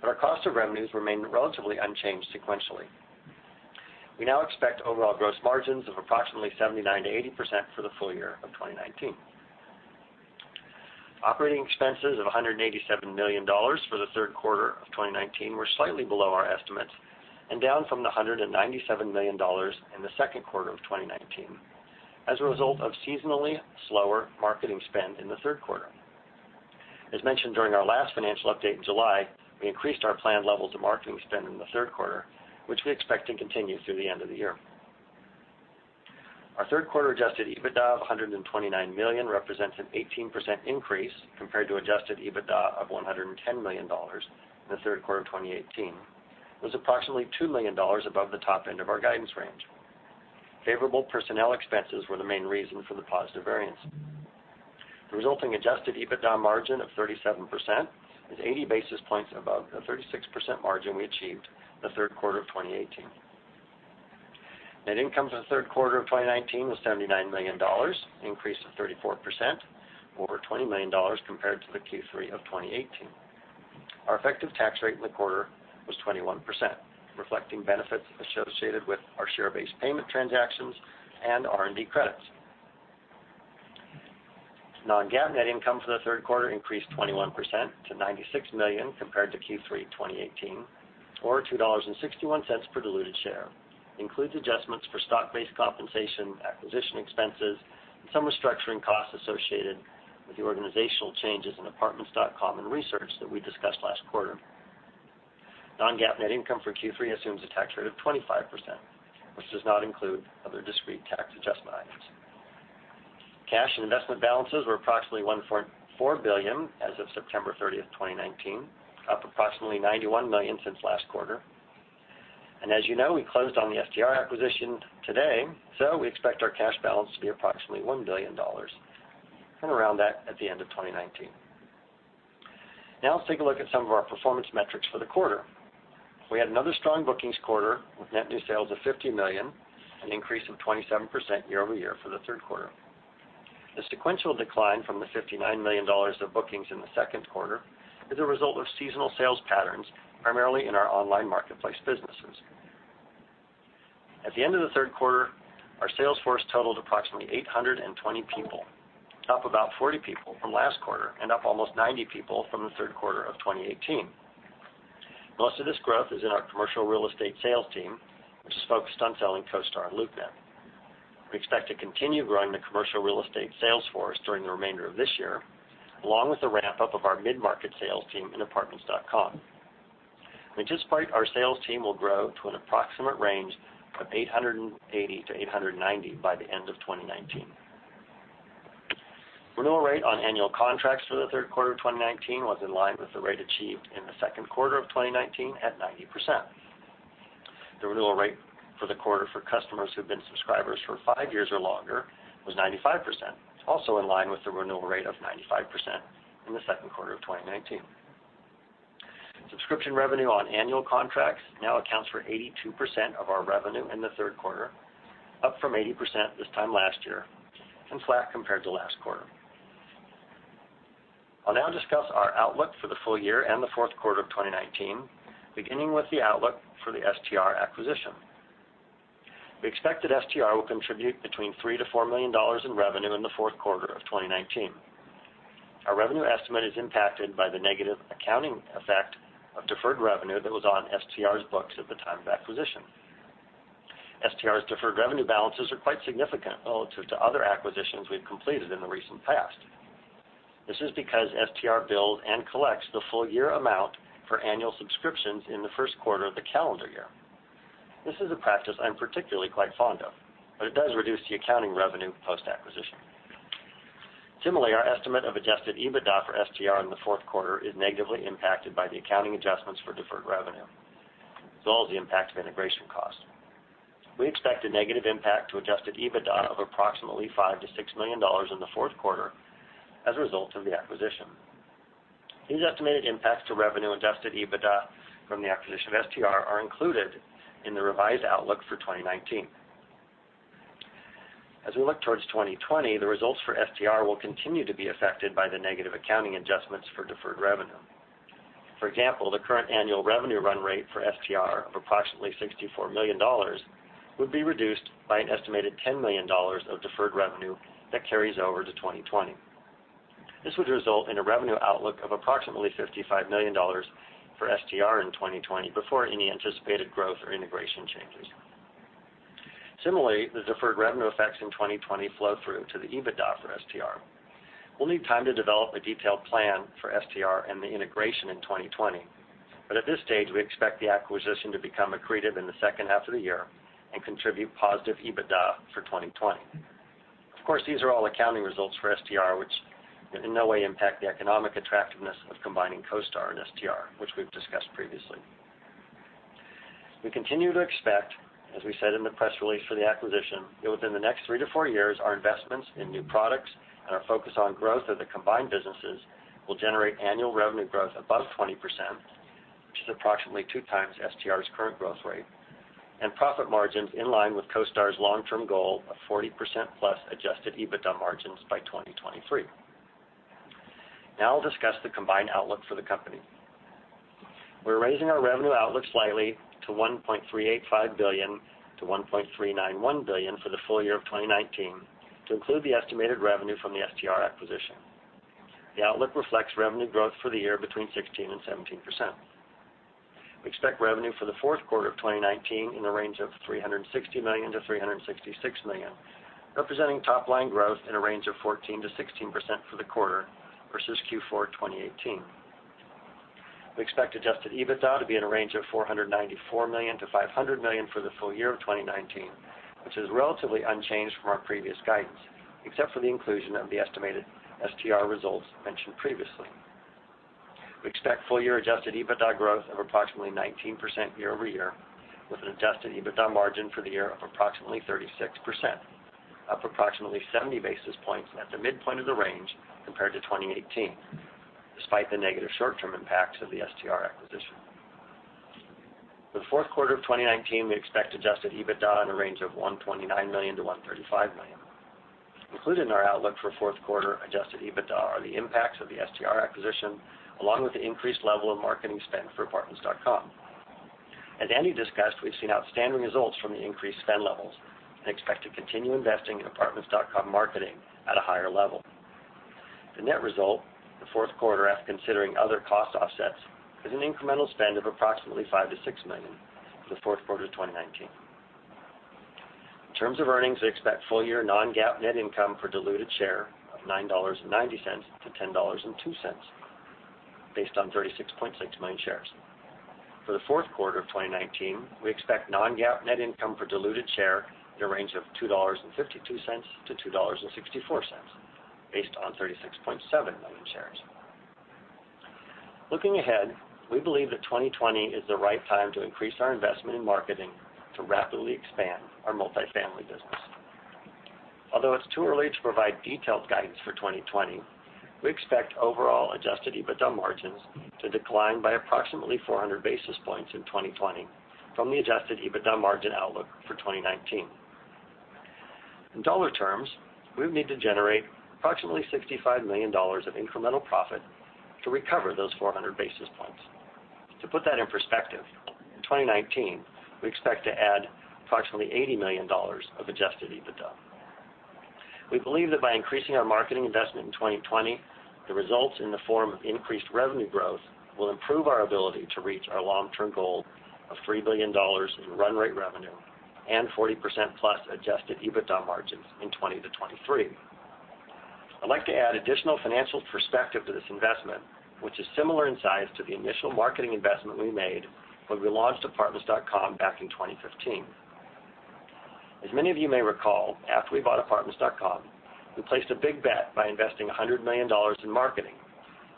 but our cost of revenues remained relatively unchanged sequentially. We now expect overall gross margins of approximately 79%-80% for the full year of 2019. Operating expenses of $187 million for the third quarter of 2019 were slightly below our estimates and down from the $197 million in the second quarter of 2019 as a result of seasonally slower marketing spend in the third quarter. As mentioned during our last financial update in July, we increased our planned levels of marketing spend in the third quarter, which we expect to continue through the end of the year. Our third quarter adjusted EBITDA of $129 million represents an 18% increase compared to adjusted EBITDA of $110 million in the third quarter of 2018. It was approximately $2 million above the top end of our guidance range. Favorable personnel expenses were the main reason for the positive variance. The resulting adjusted EBITDA margin of 37% is 80 basis points above the 36% margin we achieved in the third quarter of 2018. Net income for the third quarter of 2019 was $79 million, an increase of 34%, or over $20 million compared to the Q3 of 2018. Our effective tax rate in the quarter was 21%, reflecting benefits associated with our share-based payment transactions and R&D credits. Non-GAAP net income for the third quarter increased 21% to $96 million compared to Q3 2018, or $2.61 per diluted share, includes adjustments for stock-based compensation, acquisition expenses, and some restructuring costs associated with the organizational changes in apartments.com and research that we discussed last quarter. Non-GAAP net income for Q3 assumes a tax rate of 25%, which does not include other discrete tax adjustment items. Cash and investment balances were approximately $1.4 billion as of September 30th, 2019, up approximately $91 million since last quarter. As you know, we closed on the STR acquisition today, so we expect our cash balance to be approximately $1 billion and around that at the end of 2019. Let's take a look at some of our performance metrics for the quarter. We had another strong bookings quarter with net new sales of $50 million, an increase of 27% year-over-year for the third quarter. The sequential decline from the $59 million of bookings in the second quarter is a result of seasonal sales patterns, primarily in our online marketplace businesses. At the end of the third quarter, our sales force totaled approximately 820 people, up about 40 people from last quarter, and up almost 90 people from the third quarter of 2018. Most of this growth is in our commercial real estate sales team, which is focused on selling CoStar and LoopNet. We expect to continue growing the commercial real estate sales force during the remainder of this year, along with the ramp-up of our mid-market sales team in apartments.com. We anticipate our sales team will grow to an approximate range of 880 to 890 by the end of 2019. Renewal rate on annual contracts for the third quarter of 2019 was in line with the rate achieved in the second quarter of 2019 at 90%. The renewal rate for the quarter for customers who've been subscribers for five years or longer was 95%, also in line with the renewal rate of 95% in the second quarter of 2019. Subscription revenue on annual contracts now accounts for 82% of our revenue in the third quarter, up from 80% this time last year and flat compared to last quarter. I'll now discuss our outlook for the full year and the fourth quarter of 2019, beginning with the outlook for the STR acquisition. We expect that STR will contribute $3 million to $4 million in revenue in the fourth quarter of 2019. Our revenue estimate is impacted by the negative accounting effect of deferred revenue that was on STR's books at the time of acquisition. STR's deferred revenue balances are quite significant relative to other acquisitions we've completed in the recent past. This is because STR bills and collects the full-year amount for annual subscriptions in the first quarter of the calendar year. This is a practice I'm particularly quite fond of, but it does reduce the accounting revenue post-acquisition. Similarly, our estimate of adjusted EBITDA for STR in the fourth quarter is negatively impacted by the accounting adjustments for deferred revenue as well as the impact of integration costs. We expect a negative impact to adjusted EBITDA of approximately $5 million-$6 million in the fourth quarter as a result of the acquisition. These estimated impacts to revenue and adjusted EBITDA from the acquisition of STR are included in the revised outlook for 2019. As we look towards 2020, the results for STR will continue to be affected by the negative accounting adjustments for deferred revenue. For example, the current annual revenue run rate for STR of approximately $64 million would be reduced by an estimated $10 million of deferred revenue that carries over to 2020. This would result in a revenue outlook of approximately $55 million for STR in 2020, before any anticipated growth or integration changes. Similarly, the deferred revenue effects in 2020 flow through to the EBITDA for STR. We'll need time to develop a detailed plan for STR and the integration in 2020, but at this stage, we expect the acquisition to become accretive in the second half of the year and contribute positive EBITDA for 2020. Of course, these are all accounting results for STR, which in no way impact the economic attractiveness of combining CoStar and STR, which we've discussed previously. We continue to expect, as we said in the press release for the acquisition, that within the next 3 to 4 years, our investments in new products and our focus on growth of the combined businesses will generate annual revenue growth above 20%, which is approximately two times STR's current growth rate, and profit margins in line with CoStar's long-term goal of 40% plus adjusted EBITDA margins by 2023. Now I'll discuss the combined outlook for the company. We're raising our revenue outlook slightly to $1.385 billion-$1.391 billion for the full year of 2019 to include the estimated revenue from the STR acquisition. The outlook reflects revenue growth for the year between 16% and 17%. We expect revenue for the fourth quarter of 2019 in the range of $360 million-$366 million, representing top-line growth in a range of 14%-16% for the quarter versus Q4 2018. We expect adjusted EBITDA to be in a range of $494 million-$500 million for the full year of 2019, which is relatively unchanged from our previous guidance, except for the inclusion of the estimated STR results mentioned previously. We expect full-year adjusted EBITDA growth of approximately 19% year-over-year, with an adjusted EBITDA margin for the year of approximately 36%, up approximately 70 basis points at the midpoint of the range compared to 2018, despite the negative short-term impacts of the STR acquisition. For the fourth quarter of 2019, we expect adjusted EBITDA in a range of $129 million-$135 million. Included in our outlook for fourth quarter adjusted EBITDA are the impacts of the STR acquisition, along with the increased level of marketing spend for Apartments.com. As Andy discussed, we've seen outstanding results from the increased spend levels and expect to continue investing in Apartments.com marketing at a higher level. The net result, the fourth quarter, after considering other cost offsets, is an incremental spend of approximately $5 million-$6 million for the fourth quarter of 2019. In terms of earnings, we expect full-year non-GAAP net income per diluted share of $9.90-$10.02 based on 36.6 million shares. For the fourth quarter of 2019, we expect non-GAAP net income per diluted share in a range of $2.52-$2.64 based on 36.7 million shares. Looking ahead, we believe that 2020 is the right time to increase our investment in marketing to rapidly expand our multifamily business. Although it's too early to provide detailed guidance for 2020, we expect overall adjusted EBITDA margins to decline by approximately 400 basis points in 2020 from the adjusted EBITDA margin outlook for 2019. In dollar terms, we would need to generate approximately $65 million of incremental profit to recover those 400 basis points. To put that in perspective, in 2019, we expect to add approximately $80 million of adjusted EBITDA. We believe that by increasing our marketing investment in 2020, the results in the form of increased revenue growth will improve our ability to reach our long-term goal of $3 billion in run rate revenue and 40%+ adjusted EBITDA margins in 2023. I'd like to add additional financial perspective to this investment, which is similar in size to the initial marketing investment we made when we launched Apartments.com back in 2015. As many of you may recall, after we bought Apartments.com, we placed a big bet by investing $100 million in marketing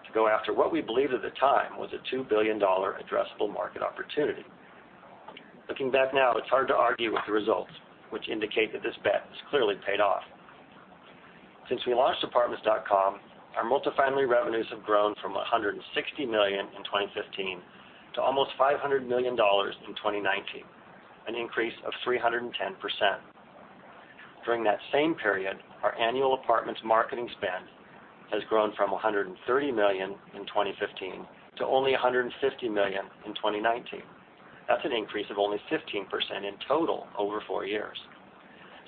to go after what we believed at the time was a $2 billion addressable market opportunity. Looking back now, it's hard to argue with the results, which indicate that this bet has clearly paid off. Since we launched Apartments.com, our multifamily revenues have grown from $160 million in 2015 to almost $500 million in 2019, an increase of 310%. During that same period, our annual Apartments marketing spend has grown from $130 million in 2015 to only $150 million in 2019. That's an increase of only 15% in total over four years.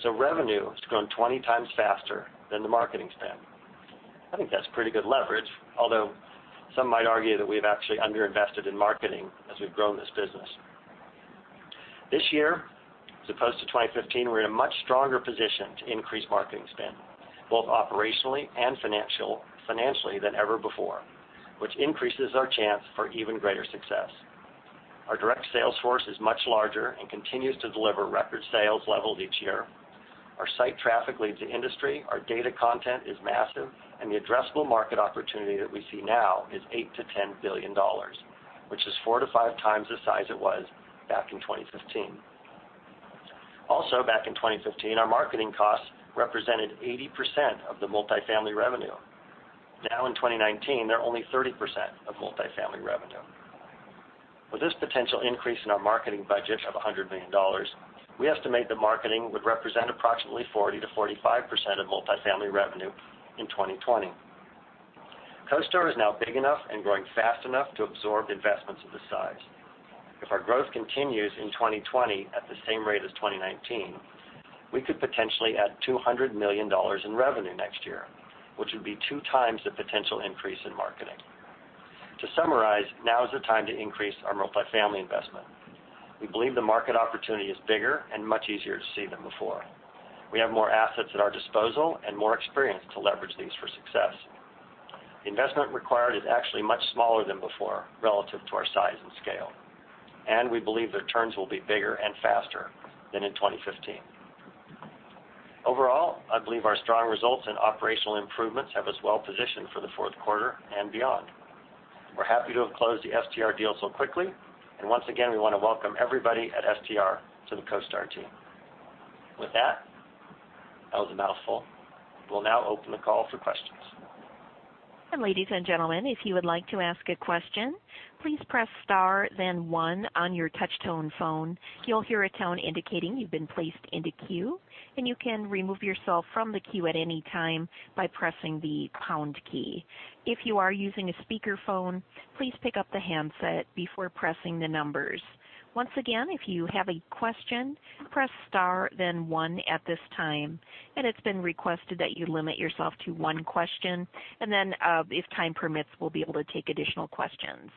Revenue has grown 20 times faster than the marketing spend. I think that's pretty good leverage, although some might argue that we've actually underinvested in marketing as we've grown this business. This year, as opposed to 2015, we're in a much stronger position to increase marketing spend, both operationally and financially than ever before, which increases our chance for even greater success. Our direct sales force is much larger and continues to deliver record sales levels each year. Our site traffic leads the industry, our data content is massive, and the addressable market opportunity that we see now is $8 billion-$10 billion, which is four to five times the size it was back in 2015. Also back in 2015, our marketing costs represented 80% of the multifamily revenue. Now in 2019, they're only 30% of multifamily revenue. With this potential increase in our marketing budget of $100 million, we estimate the marketing would represent approximately 40%-45% of multifamily revenue in 2020. CoStar is now big enough and growing fast enough to absorb investments of this size. If our growth continues in 2020 at the same rate as 2019, we could potentially add $200 million in revenue next year, which would be two times the potential increase in marketing. To summarize, now is the time to increase our multifamily investment. We believe the market opportunity is bigger and much easier to see than before. We have more assets at our disposal and more experience to leverage these for success. The investment required is actually much smaller than before, relative to our size and scale, and we believe the returns will be bigger and faster than in 2015. Overall, I believe our strong results and operational improvements have us well positioned for the fourth quarter and beyond. We're happy to have closed the STR deal so quickly. Once again, we want to welcome everybody at STR to the CoStar team. With that was a mouthful. We'll now open the call for questions. Ladies and gentlemen, if you would like to ask a question, please press star then one on your touch-tone phone. You'll hear a tone indicating you've been placed into queue, and you can remove yourself from the queue at any time by pressing the pound key. If you are using a speakerphone, please pick up the handset before pressing the numbers. Once again, if you have a question, press star then one at this time. It's been requested that you limit yourself to one question, and then, if time permits, we'll be able to take additional questions.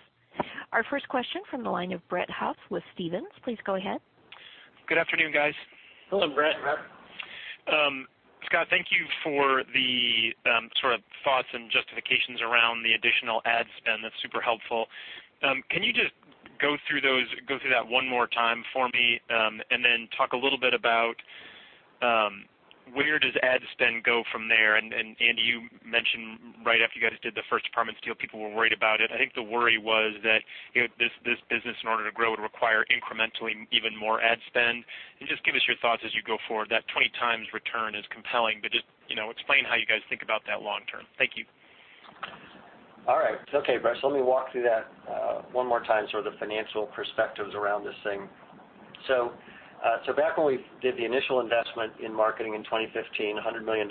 Our first question from the line of Brett Huff with Stephens. Please go ahead. Good afternoon, guys. Hello, Brett. Scott, thank you for the sort of thoughts and justifications around the additional ad spend. That's super helpful. Can you just go through that one more time for me, and then talk a little bit about where does ad spend go from there? Andy, you mentioned right after you guys did the first Apartments deal, people were worried about it. I think the worry was that this business, in order to grow, would require incrementally even more ad spend. Just give us your thoughts as you go forward. That 20 times return is compelling, but just explain how you guys think about that long term. Thank you. All right. Okay, Brett. Let me walk through that one more time, sort of the financial perspectives around this thing. Back when we did the initial investment in marketing in 2015, $100 million,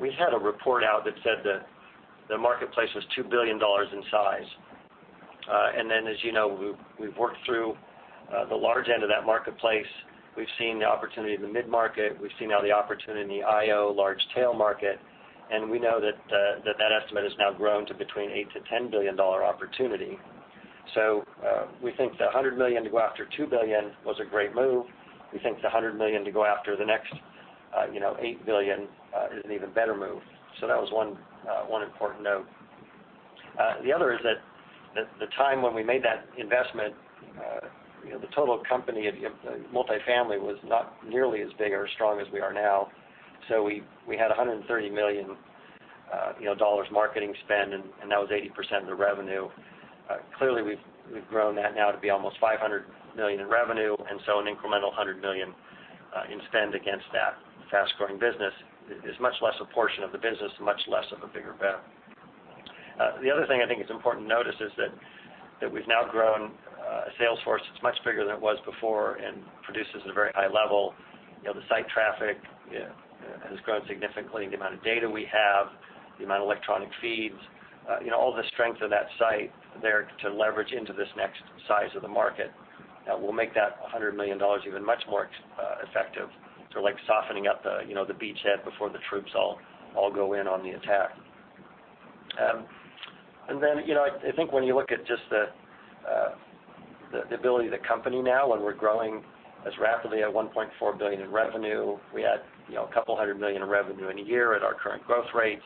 we had a report out that said that the marketplace was $2 billion in size. As you know, we've worked through the large end of that marketplace. We've seen the opportunity in the mid-market. We've seen now the opportunity in the IO large tail market, and we know that that estimate has now grown to between $8 billion-$10 billion opportunity. We think the $100 million to go after $2 billion was a great move. We think the $100 million to go after the next $8 billion is an even better move. That was one important note. The other is that the time when we made that investment, the total company of multifamily was not nearly as big or strong as we are now. We had $130 million marketing spend, and that was 80% of the revenue. Clearly, we've grown that now to be almost $500 million in revenue, an incremental $100 million in spend against that fast-growing business is much less a portion of the business, much less of a bigger bet. The other thing I think is important to notice is that we've now grown a sales force that's much bigger than it was before and produces at a very high level. The site traffic has grown significantly. The amount of data we have, the amount of electronic feeds, all the strength of that site there to leverage into this next size of the market will make that $100 million even much more effective. Like softening up the beachhead before the troops all go in on the attack. I think when you look at just the ability of the company now, when we're growing as rapidly at $1.4 billion in revenue. We add a couple of hundred million in revenue in a year at our current growth rates.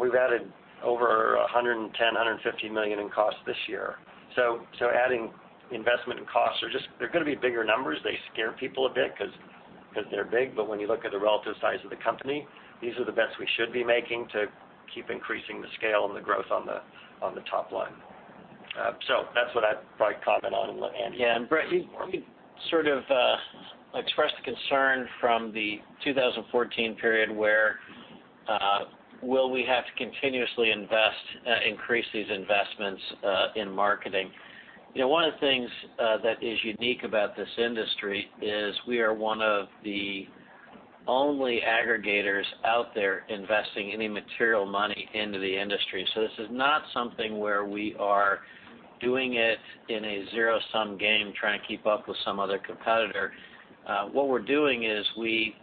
We've added over $110 million, $115 million in costs this year. Adding investment and costs are just going to be bigger numbers. They scare people a bit because they're big, but when you look at the relative size of the company, these are the bets we should be making to keep increasing the scale and the growth on the top line. That's what I'd probably comment on. Andy? Yeah. Brett, you sort of expressed a concern from the 2014 period, where will we have to continuously increase these investments in marketing? One of the things that is unique about this industry is we are one of the only aggregators out there investing any material money into the industry. This is not something where we are doing it in a zero-sum game, trying to keep up with some other competitor. What we're doing is we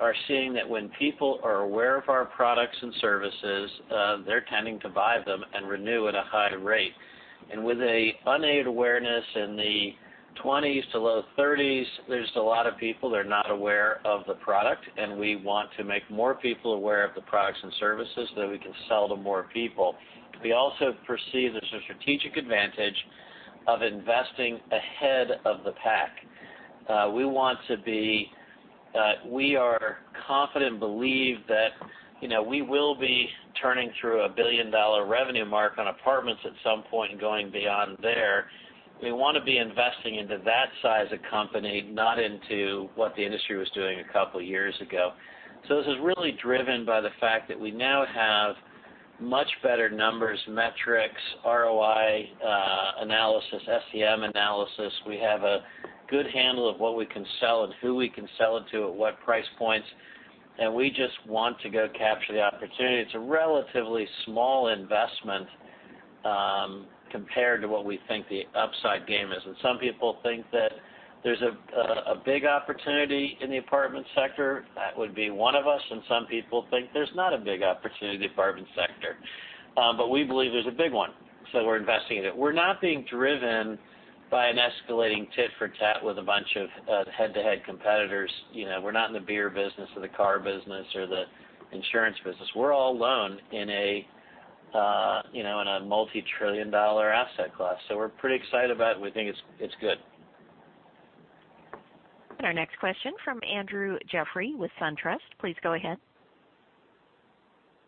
are seeing that when people are aware of our products and services, they're tending to buy them and renew at a high rate. With a unaided awareness in the 20s to low 30s, there's a lot of people that are not aware of the product, and we want to make more people aware of the products and services so that we can sell to more people. We also perceive there's a strategic advantage of investing ahead of the pack. We are confident and believe that we will be turning through a billion-dollar revenue mark on apartments at some point and going beyond there. We want to be investing into that size of company, not into what the industry was doing a couple of years ago. This is really driven by the fact that we now have much better numbers, metrics, ROI analysis, SEM analysis. We have a good handle of what we can sell and who we can sell it to, at what price points, and we just want to go capture the opportunity. It's a relatively small investment compared to what we think the upside gain is. Some people think that there's a big opportunity in the apartment sector. That would be one of us, and some people think there's not a big opportunity in the apartment sector. We believe there's a big one, so we're investing in it. We're not being driven by an escalating tit for tat with a bunch of head-to-head competitors. We're not in the beer business or the car business or the insurance business. We're all alone in a multi-trillion-dollar asset class. We're pretty excited about it. We think it's good. Our next question from Andrew Jeffrey with SunTrust. Please go ahead.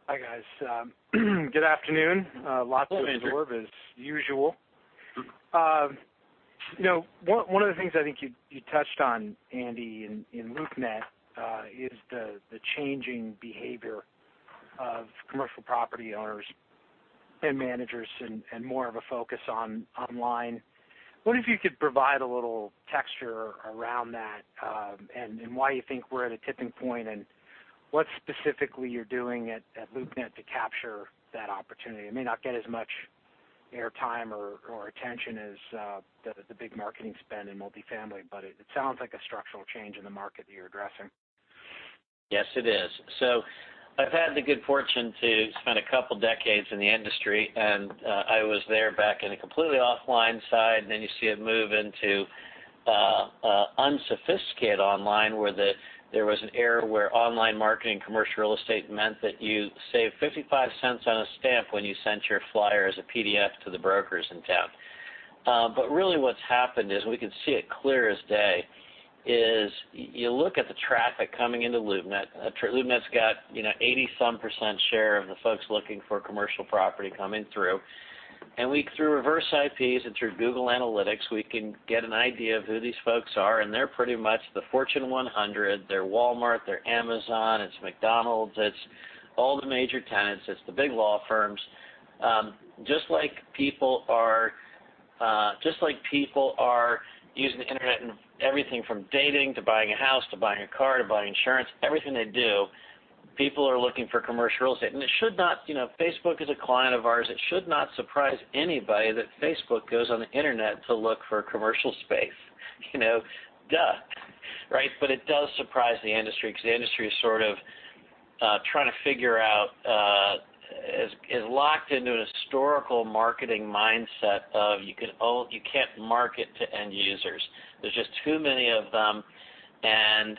Hi, guys. Good afternoon. Hello, Andrew. Lots to absorb, as usual. One of the things I think you touched on, Andy, in LoopNet, is the changing behavior of commercial property owners and managers and more of a focus online. Wonder if you could provide a little texture around that, and why you think we're at a tipping point, and what specifically you're doing at LoopNet to capture that opportunity. It may not get as much air time or attention as the big marketing spend in multifamily, but it sounds like a structural change in the market that you're addressing. Yes, it is. I've had the good fortune to spend a couple of decades in the industry, and I was there back in a completely offline side, and then you see it move into unsophisticated online, where there was an era where online marketing commercial real estate meant that you save $0.55 on a stamp when you sent your flyer as a PDF to the brokers in town. Really what's happened is, we can see it clear as day, is you look at the traffic coming into LoopNet. LoopNet's got 80-some% share of the folks looking for commercial property coming through. Through reverse IPs and through Google Analytics, we can get an idea of who these folks are, and they're pretty much the Fortune 100. They're Walmart, they're Amazon, it's McDonald's, it's all the major tenants. It's the big law firms. Just like people are using the internet in everything from dating to buying a house to buying a car to buying insurance, everything they do, people are looking for commercial real estate. Facebook is a client of ours. It should not surprise anybody that Facebook goes on the internet to look for commercial space. You know, duh, right? It does surprise the industry, because the industry is locked into a historical marketing mindset of you can't market to end users. There's just too many of them, and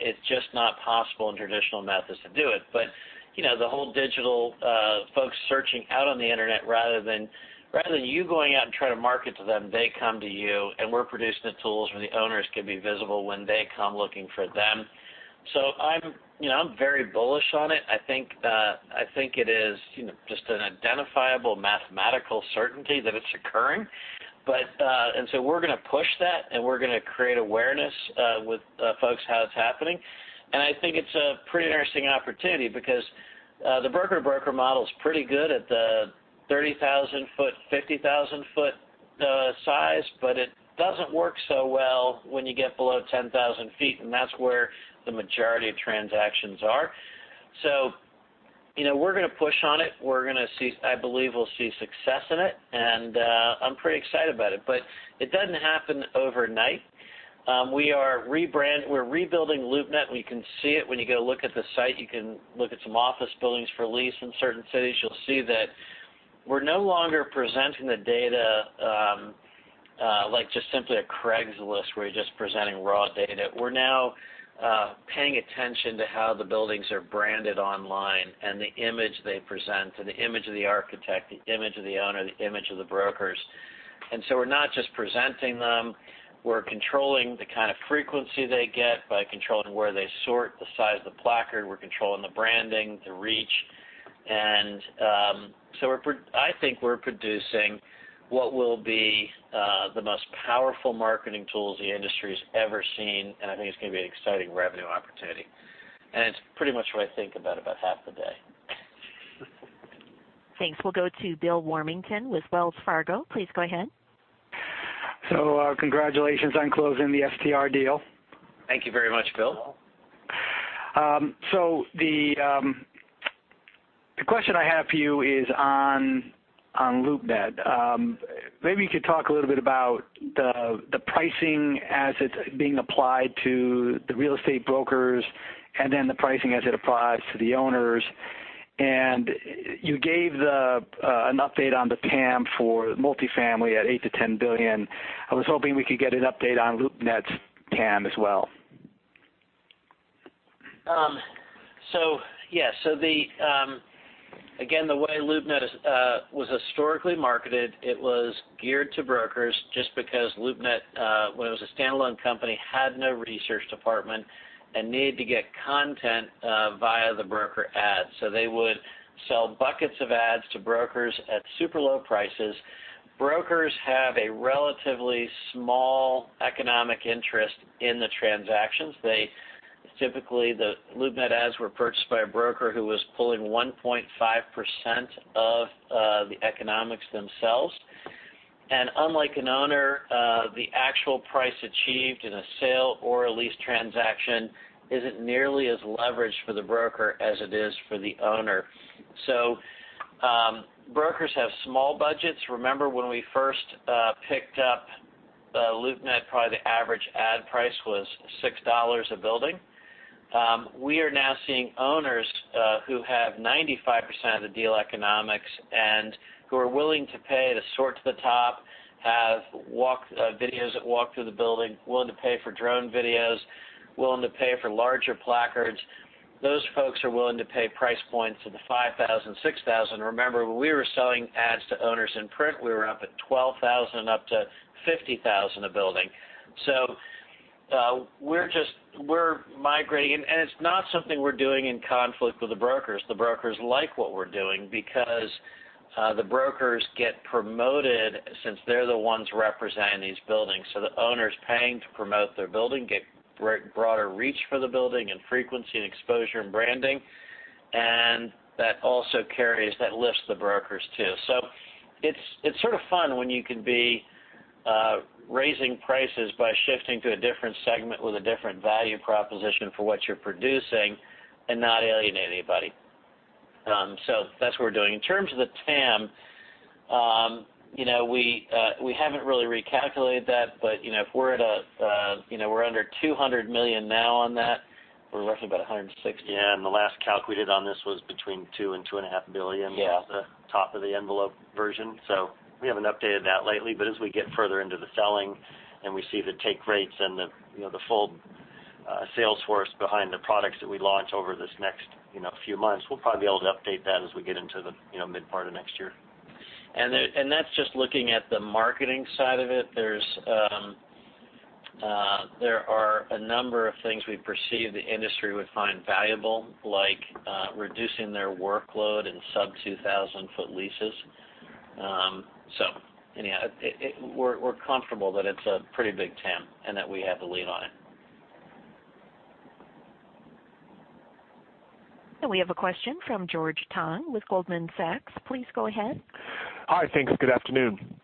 it's just not possible in traditional methods to do it. The whole digital folks searching out on the internet, rather than you going out and trying to market to them, they come to you, and we're producing the tools where the owners can be visible when they come looking for them. I'm very bullish on it. I think it is just an identifiable mathematical certainty that it's occurring. We're going to push that, and we're going to create awareness with folks how it's happening. I think it's a pretty interesting opportunity because the broker-broker model is pretty good at the 30,000-foot, 50,000-foot size, but it doesn't work so well when you get below 10,000 feet, and that's where the majority of transactions are. We're going to push on it. I believe we'll see success in it, and I'm pretty excited about it. It doesn't happen overnight. We're rebuilding LoopNet, and we can see it when you go look at the site. You can look at some office buildings for lease in certain cities. You'll see that we're no longer presenting the data like just simply a Craigslist where you're just presenting raw data. We're now paying attention to how the buildings are branded online and the image they present, and the image of the architect, the image of the owner, the image of the brokers. We're not just presenting them. We're controlling the kind of frequency they get by controlling where they sort, the size of the placard. We're controlling the branding, the reach. I think we're producing what will be the most powerful marketing tools the industry's ever seen, and I think it's going to be an exciting revenue opportunity. It's pretty much what I think about about half the day. Thanks. We'll go to Bill Warmington with Wells Fargo. Please go ahead. Congratulations on closing the STR deal. Thank you very much, Bill. The question I have for you is on LoopNet. Maybe you could talk a little bit about the pricing as it's being applied to the real estate brokers and then the pricing as it applies to the owners. You gave an update on the TAM for multifamily at $8 billion-$10 billion. I was hoping we could get an update on LoopNet's TAM as well. The way LoopNet was historically marketed, it was geared to brokers just because LoopNet, when it was a standalone company, had no research department and needed to get content via the broker ads. They would sell buckets of ads to brokers at super low prices. Brokers have a relatively small economic interest in the transactions. Typically, the LoopNet ads were purchased by a broker who was pulling 1.5% of the economics themselves. Unlike an owner, the actual price achieved in a sale or a lease transaction isn't nearly as leveraged for the broker as it is for the owner. Brokers have small budgets. Remember when we first picked up LoopNet, probably the average ad price was $6 a building. We are now seeing owners who have 95% of the deal economics and who are willing to pay to sort to the top, have videos that walk through the building, willing to pay for drone videos, willing to pay for larger placards. Those folks are willing to pay price points of $5,000, $6,000. Remember, when we were selling ads to owners in print, we were up at $12,000, up to $50,000 a building. We're migrating, and it's not something we're doing in conflict with the brokers. The brokers like what we're doing because the brokers get promoted since they're the ones representing these buildings. The owners paying to promote their building get broader reach for the building, and frequency and exposure and branding, and that also carries, that lifts the brokers too. It's sort of fun when you can be raising prices by shifting to a different segment with a different value proposition for what you're producing and not alienate anybody. That's what we're doing. In terms of the TAM, we haven't really recalculated that, but if we're under $200 million now on that, we're roughly about $160 million. Yeah, the last calc we did on this was between $2 billion and $2.5 billion. Yeah was the top of the envelope version. We haven't updated that lately, but as we get further into the selling and we see the take rates and the full sales force behind the products that we launch over this next few months, we'll probably be able to update that as we get into the mid part of next year. That's just looking at the marketing side of it. There are a number of things we perceive the industry would find valuable, like reducing their workload in sub 2,000-foot leases. Anyhow, we're comfortable that it's a pretty big TAM and that we have a lead on it. We have a question from George Tong with Goldman Sachs. Please go ahead. Hi, thanks. Good afternoon. Hi, George.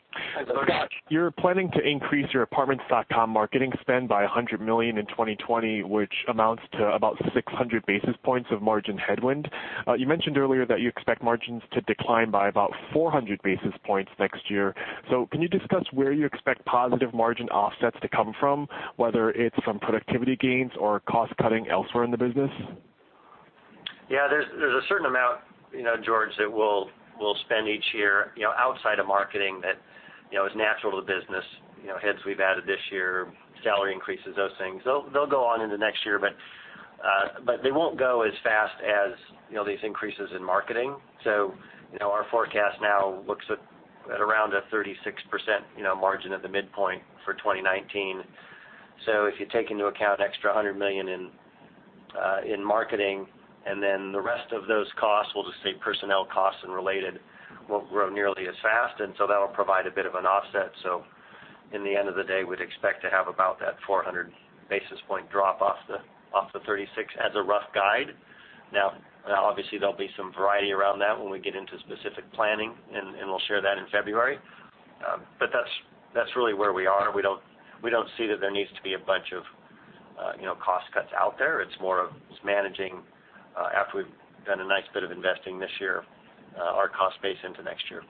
You're planning to increase your Apartments.com marketing spend by $100 million in 2020, which amounts to about 600 basis points of margin headwind. You mentioned earlier that you expect margins to decline by about 400 basis points next year. Can you discuss where you expect positive margin offsets to come from, whether it's from productivity gains or cost-cutting elsewhere in the business? Yeah, there's a certain amount, George, that we'll spend each year outside of marketing that is natural to business. Heads we've added this year, salary increases, those things. They'll go on into next year, but they won't go as fast as these increases in marketing. Our forecast now looks at around a 36% margin at the midpoint for 2019. If you take into account extra $100 million in marketing and then the rest of those costs, we'll just say personnel costs and related, won't grow nearly as fast, that'll provide a bit of an offset. In the end of the day, we'd expect to have about that 400 basis point drop off the 36 as a rough guide. Now, obviously, there'll be some variety around that when we get into specific planning, and we'll share that in February. That's really where we are. We don't see that there needs to be a bunch of cost cuts out there. It's more of just managing, after we've done a nice bit of investing this year, our cost base into next year.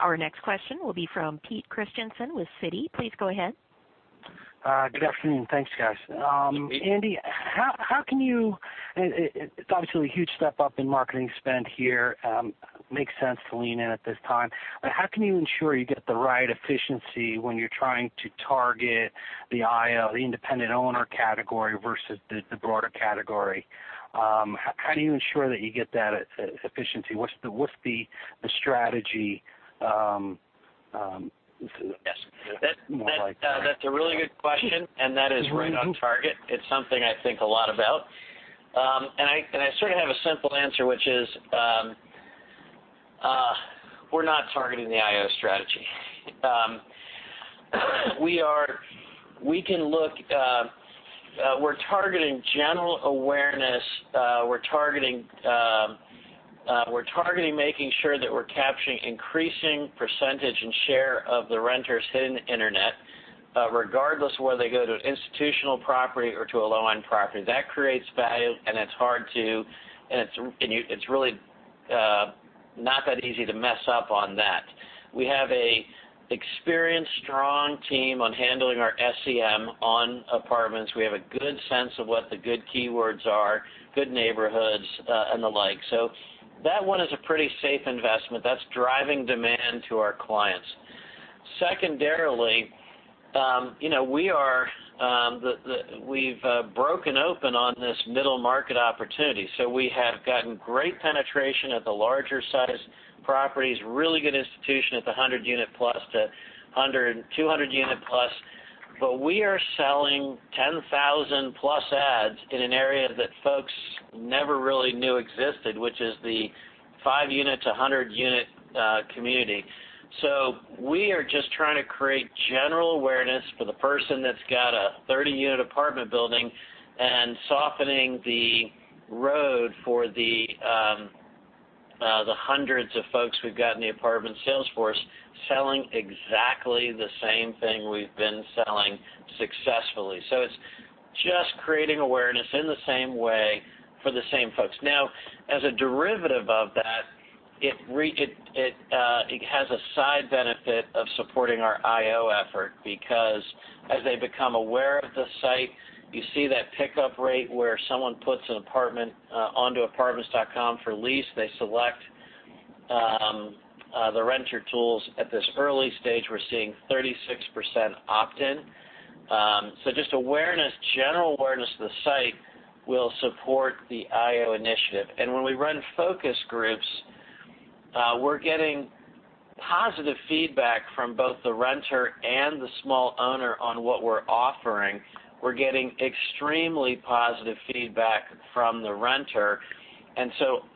Our next question will be from Peter Christiansen with Citi. Please go ahead. Good afternoon. Thanks, guys. Andy, it's obviously a huge step up in marketing spend here. Makes sense to lean in at this time. How can you ensure you get the right efficiency when you're trying to target the IO, the independent owner category versus the broader category? How do you ensure that you get that efficiency? What's the strategy look like there? That's a really good question, and that is right on target. It's something I think a lot about. I sort of have a simple answer, which is, we're not targeting the IO strategy. We're targeting general awareness. We're targeting making sure that we're capturing increasing percentage and share of the renters hitting the internet, regardless whether they go to an institutional property or to a low-end property. That creates value, and it's really not that easy to mess up on that. We have a experienced, strong team on handling our SEM on apartments. We have a good sense of what the good keywords are, good neighborhoods, and the like. That one is a pretty safe investment. That's driving demand to our clients. Secondarily, we've broken open on this middle market opportunity. We have gotten great penetration at the larger size properties, really good institution at the 100-unit plus to 200-unit plus. We are selling 10,000+ ads in an area that folks never really knew existed, which is the 5-unit to 100-unit community. We are just trying to create general awareness for the person that's got a 30-unit apartment building and softening the road for the hundreds of folks we've got in the apartment sales force selling exactly the same thing we've been selling successfully. It's just creating awareness in the same way for the same folks. Now, as a derivative of that, it has a side benefit of supporting our IO effort because as they become aware of the site, you see that pickup rate where someone puts an apartment onto Apartments.com for lease, they select the renter tools. At this early stage, we're seeing 36% opt-in. Just general awareness of the site will support the IO initiative. When we run focus groups, we're getting positive feedback from both the renter and the small owner on what we're offering. We're getting extremely positive feedback from the renter.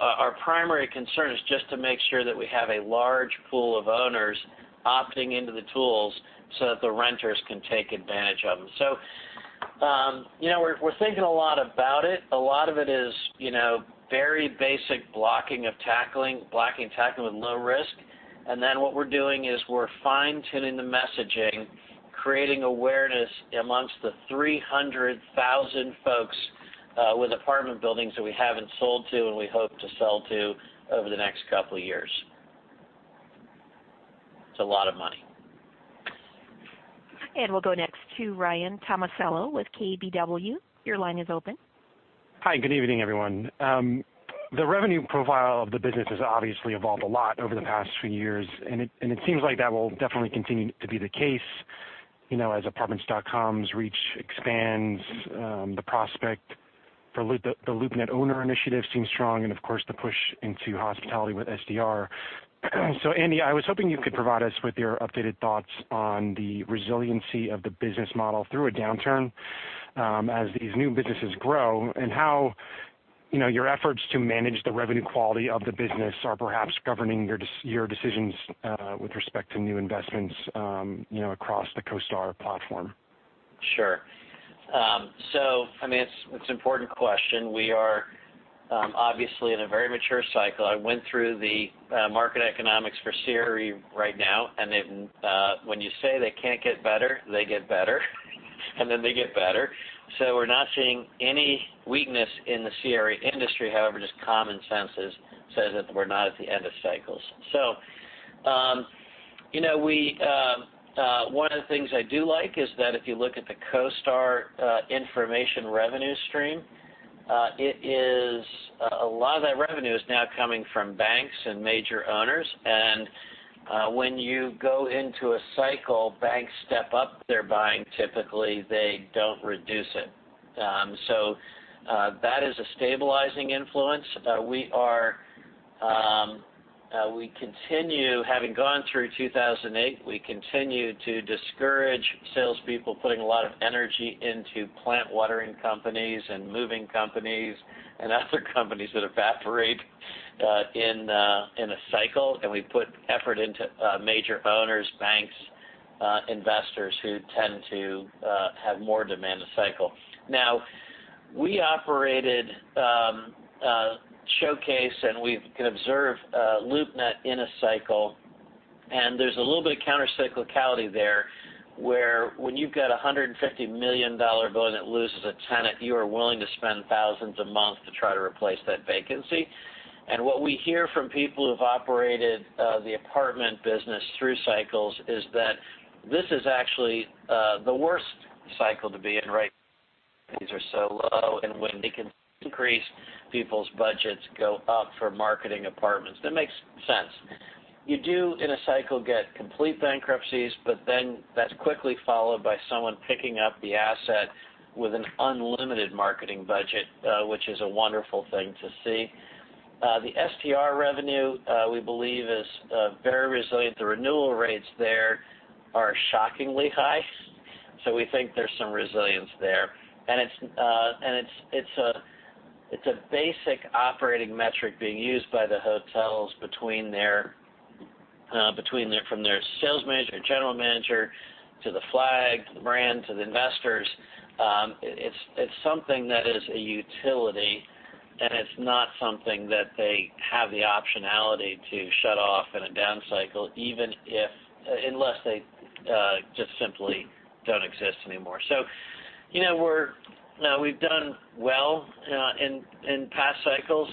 Our primary concern is just to make sure that we have a large pool of owners opting into the tools so that the renters can take advantage of them. We're thinking a lot about it. A lot of it is very basic blocking and tackling with low risk. Then what we're doing is we're fine-tuning the messaging, creating awareness amongst the 300,000 folks with apartment buildings that we haven't sold to and we hope to sell to over the next couple of years. It's a lot of money. We'll go next to Ryan Tomasello with KBW. Your line is open. Hi, good evening, everyone. The revenue profile of the business has obviously evolved a lot over the past few years, and it seems like that will definitely continue to be the case, as Apartments.com's reach expands, the prospect for the LoopNet owner initiative seems strong, and of course, the push into hospitality with STR. Andy, I was hoping you could provide us with your updated thoughts on the resiliency of the business model through a downturn as these new businesses grow, and how your efforts to manage the revenue quality of the business are perhaps governing your decisions with respect to new investments across the CoStar platform. Sure. It's an important question. We are obviously in a very mature cycle. I went through the market economics for CRE right now, and when you say they can't get better, they get better, and then they get better. We're not seeing any weakness in the CRE industry. However, just common sense says that we're not at the end of cycles. One of the things I do like is that if you look at the CoStar information revenue stream, a lot of that revenue is now coming from banks and major owners. When you go into a cycle, banks step up their buying. Typically, they don't reduce it. That is a stabilizing influence. Having gone through 2008, we continue to discourage salespeople putting a lot of energy into plant watering companies and moving companies and other companies that evaporate in a cycle. We put effort into major owners, banks, investors who tend to have more demand in a cycle. Now, we operated Showcase, and we've observed LoopNet in a cycle, and there's a little bit of countercyclicality there, where when you've got a $150 million building that loses a tenant, you are willing to spend thousands a month to try to replace that vacancy. What we hear from people who've operated the apartment business through cycles is that this is actually the worst cycle to be in right now. Things are so low, and when they can increase, people's budgets go up for marketing apartments. That makes sense. You do, in a cycle, get complete bankruptcies, but then that's quickly followed by someone picking up the asset with an unlimited marketing budget, which is a wonderful thing to see. The STR revenue, we believe, is very resilient. The renewal rates there are shockingly high. We think there's some resilience there. It's a basic operating metric being used by the hotels from their sales manager, general manager, to the flag, to the brand, to the investors. It's something that is a utility, and it's not something that they have the optionality to shut off in a down cycle, unless they just simply don't exist anymore. We've done well in past cycles.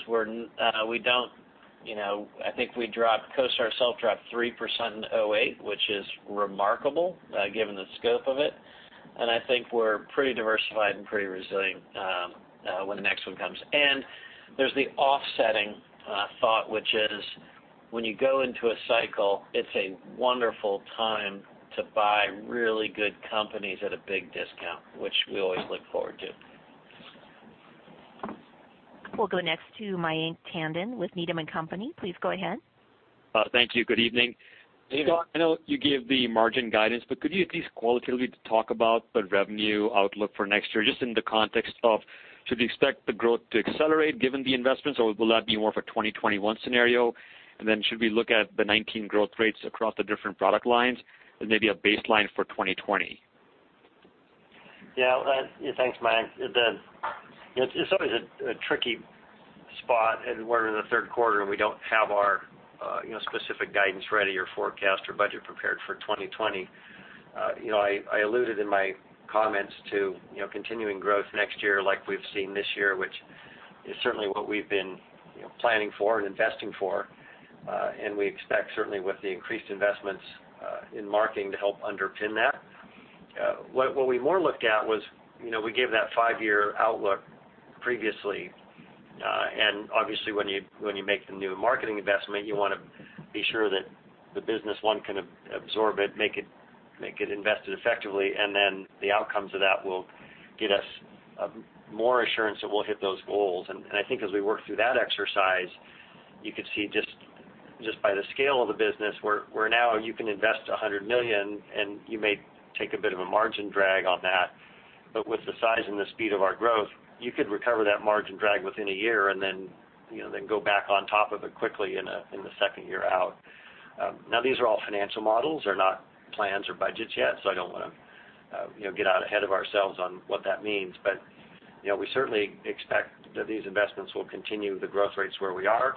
CoStar itself dropped 3% in 2008, which is remarkable given the scope of it, and I think we're pretty diversified and pretty resilient when the next one comes. There's the offsetting thought, which is when you go into a cycle, it's a wonderful time to buy really good companies at a big discount, which we always look forward to. We'll go next to Mayank Tandon with Needham & Company. Please go ahead. Thank you. Good evening. Evening. I know you gave the margin guidance, but could you at least qualitatively talk about the revenue outlook for next year, just in the context of should we expect the growth to accelerate given the investments, or will that be more of a 2021 scenario? Should we look at the 2019 growth rates across the different product lines as maybe a baseline for 2020? Yeah. Thanks, Mike. It's always a tricky spot, and we're in the third quarter, and we don't have our specific guidance ready or forecast or budget prepared for 2020. I alluded in my comments to continuing growth next year like we've seen this year, which is certainly what we've been planning for and investing for. We expect certainly with the increased investments in marketing to help underpin that. What we more looked at was, we gave that five-year outlook previously, and obviously when you make the new marketing investment, you want to be sure that the business, one, can absorb it, make it invested effectively, and then the outcomes of that will get us more assurance that we'll hit those goals. I think as we work through that exercise, you could see just by the scale of the business, where now you can invest $100 million, and you may take a bit of a margin drag on that, but with the size and the speed of our growth, you could recover that margin drag within a year and then go back on top of it quickly in the second year out. These are all financial models. They're not plans or budgets yet, so I don't want to get out ahead of ourselves on what that means. We certainly expect that these investments will continue the growth rates where we are,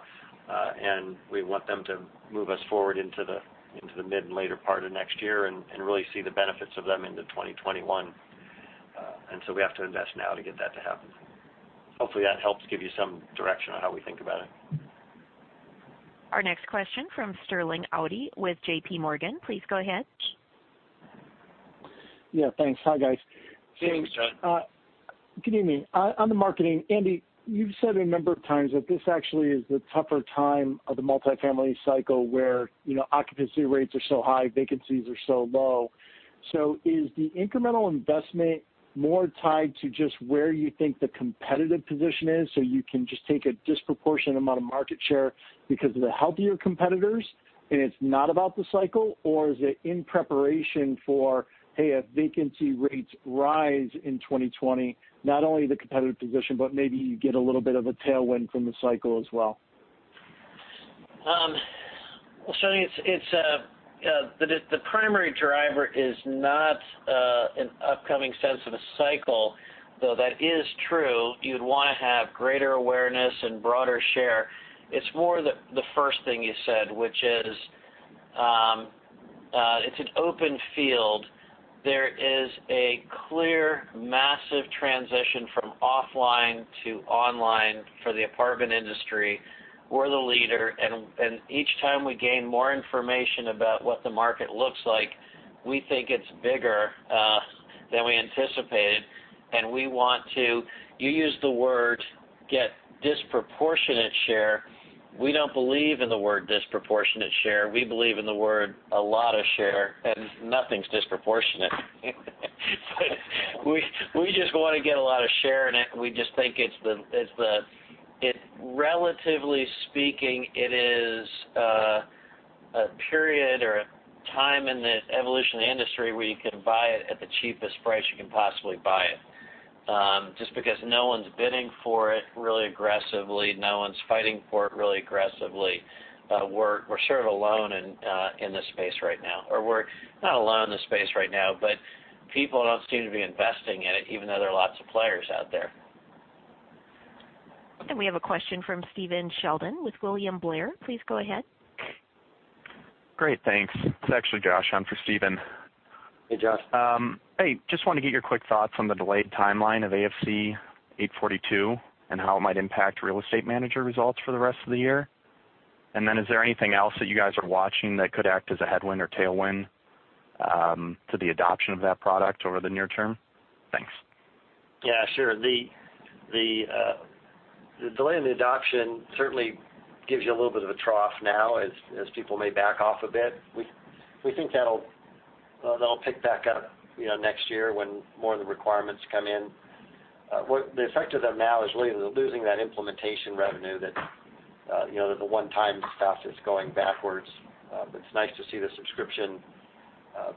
and we want them to move us forward into the mid and later part of next year and really see the benefits of them into 2021. We have to invest now to get that to happen. Hopefully, that helps give you some direction on how we think about it. Our next question from Sterling Auty with JPMorgan. Please go ahead. Yeah, thanks. Hi, guys. Thanks, John. Good evening. On the marketing, Andy, you've said a number of times that this actually is the tougher time of the multifamily cycle where occupancy rates are so high, vacancies are so low. Is the incremental investment more tied to just where you think the competitive position is, so you can just take a disproportionate amount of market share because of the healthier competitors, and it's not about the cycle, or is it in preparation for, hey, if vacancy rates rise in 2020, not only the competitive position, but maybe you get a little bit of a tailwind from the cycle as well? Well, Sterling, the primary driver is not an upcoming sense of a cycle, though that is true. You'd want to have greater awareness and broader share. It's more the first thing you said, which is, it's an open field. There is a clear, massive transition from offline to online for the apartment industry. We're the leader, and each time we gain more information about what the market looks like, we think it's bigger than we anticipated, and we want to, you used the word, get disproportionate share. We don't believe in the word disproportionate share. We believe in the word a lot of share, and nothing's disproportionate. We just want to get a lot of share, and we just think, relatively speaking, it is a period or a time in the evolution of the industry where you can buy it at the cheapest price you can possibly buy it. Just because no one's bidding for it really aggressively. No one's fighting for it really aggressively. We're sort of alone in this space right now. We're not alone in this space right now, but people don't seem to be investing in it, even though there are lots of players out there. We have a question from Stephen Sheldon with William Blair. Please go ahead. Great. Thanks. It's actually Josh on for Stephen. Hey, Josh. Hey, just wanted to get your quick thoughts on the delayed timeline of ASC 842 and how it might impact CoStar Real Estate Manager results for the rest of the year. Is there anything else that you guys are watching that could act as a headwind or tailwind to the adoption of that product over the near term? Thanks. Yeah, sure. The delay in the adoption certainly gives you a little bit of a trough now as people may back off a bit. We think that'll pick back up next year when more of the requirements come in. The effect of that now is really the losing that implementation revenue, that the one-time stuff that's going backwards. It's nice to see the subscription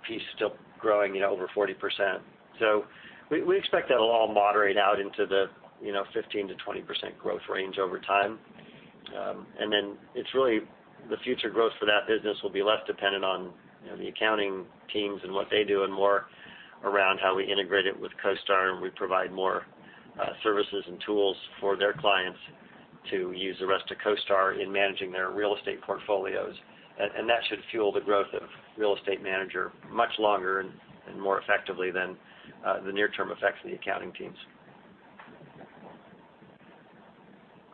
piece still growing over 40%. We expect that'll all moderate out into the 15%-20% growth range over time. It's really the future growth for that business will be less dependent on the accounting teams and what they do and more around how we integrate it with CoStar, and we provide more services and tools for their clients to use the rest of CoStar in managing their real estate portfolios. That should fuel the growth of Real Estate Manager much longer and more effectively than the near-term effects of the accounting teams.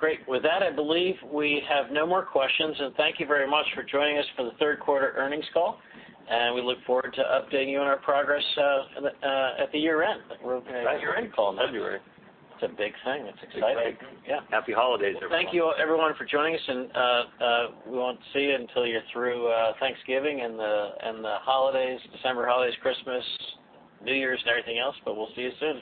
Great. With that, I believe we have no more questions. Thank you very much for joining us for the third-quarter earnings call. We look forward to updating you on our progress at the year-end. We're okay with the call in February. It's a big thing. That's exciting. Big thing. Yeah. Happy holidays, everyone. Thank you, everyone, for joining us. We won't see you until you're through Thanksgiving and the holidays, December holidays, Christmas, New Year's, and everything else, but we'll see you soon.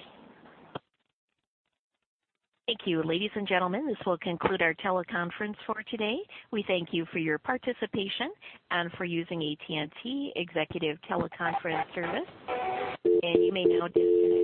Thank you. Ladies and gentlemen, this will conclude our teleconference for today. We thank you for your participation and for using AT&T Executive Teleconference service. You may now disconnect.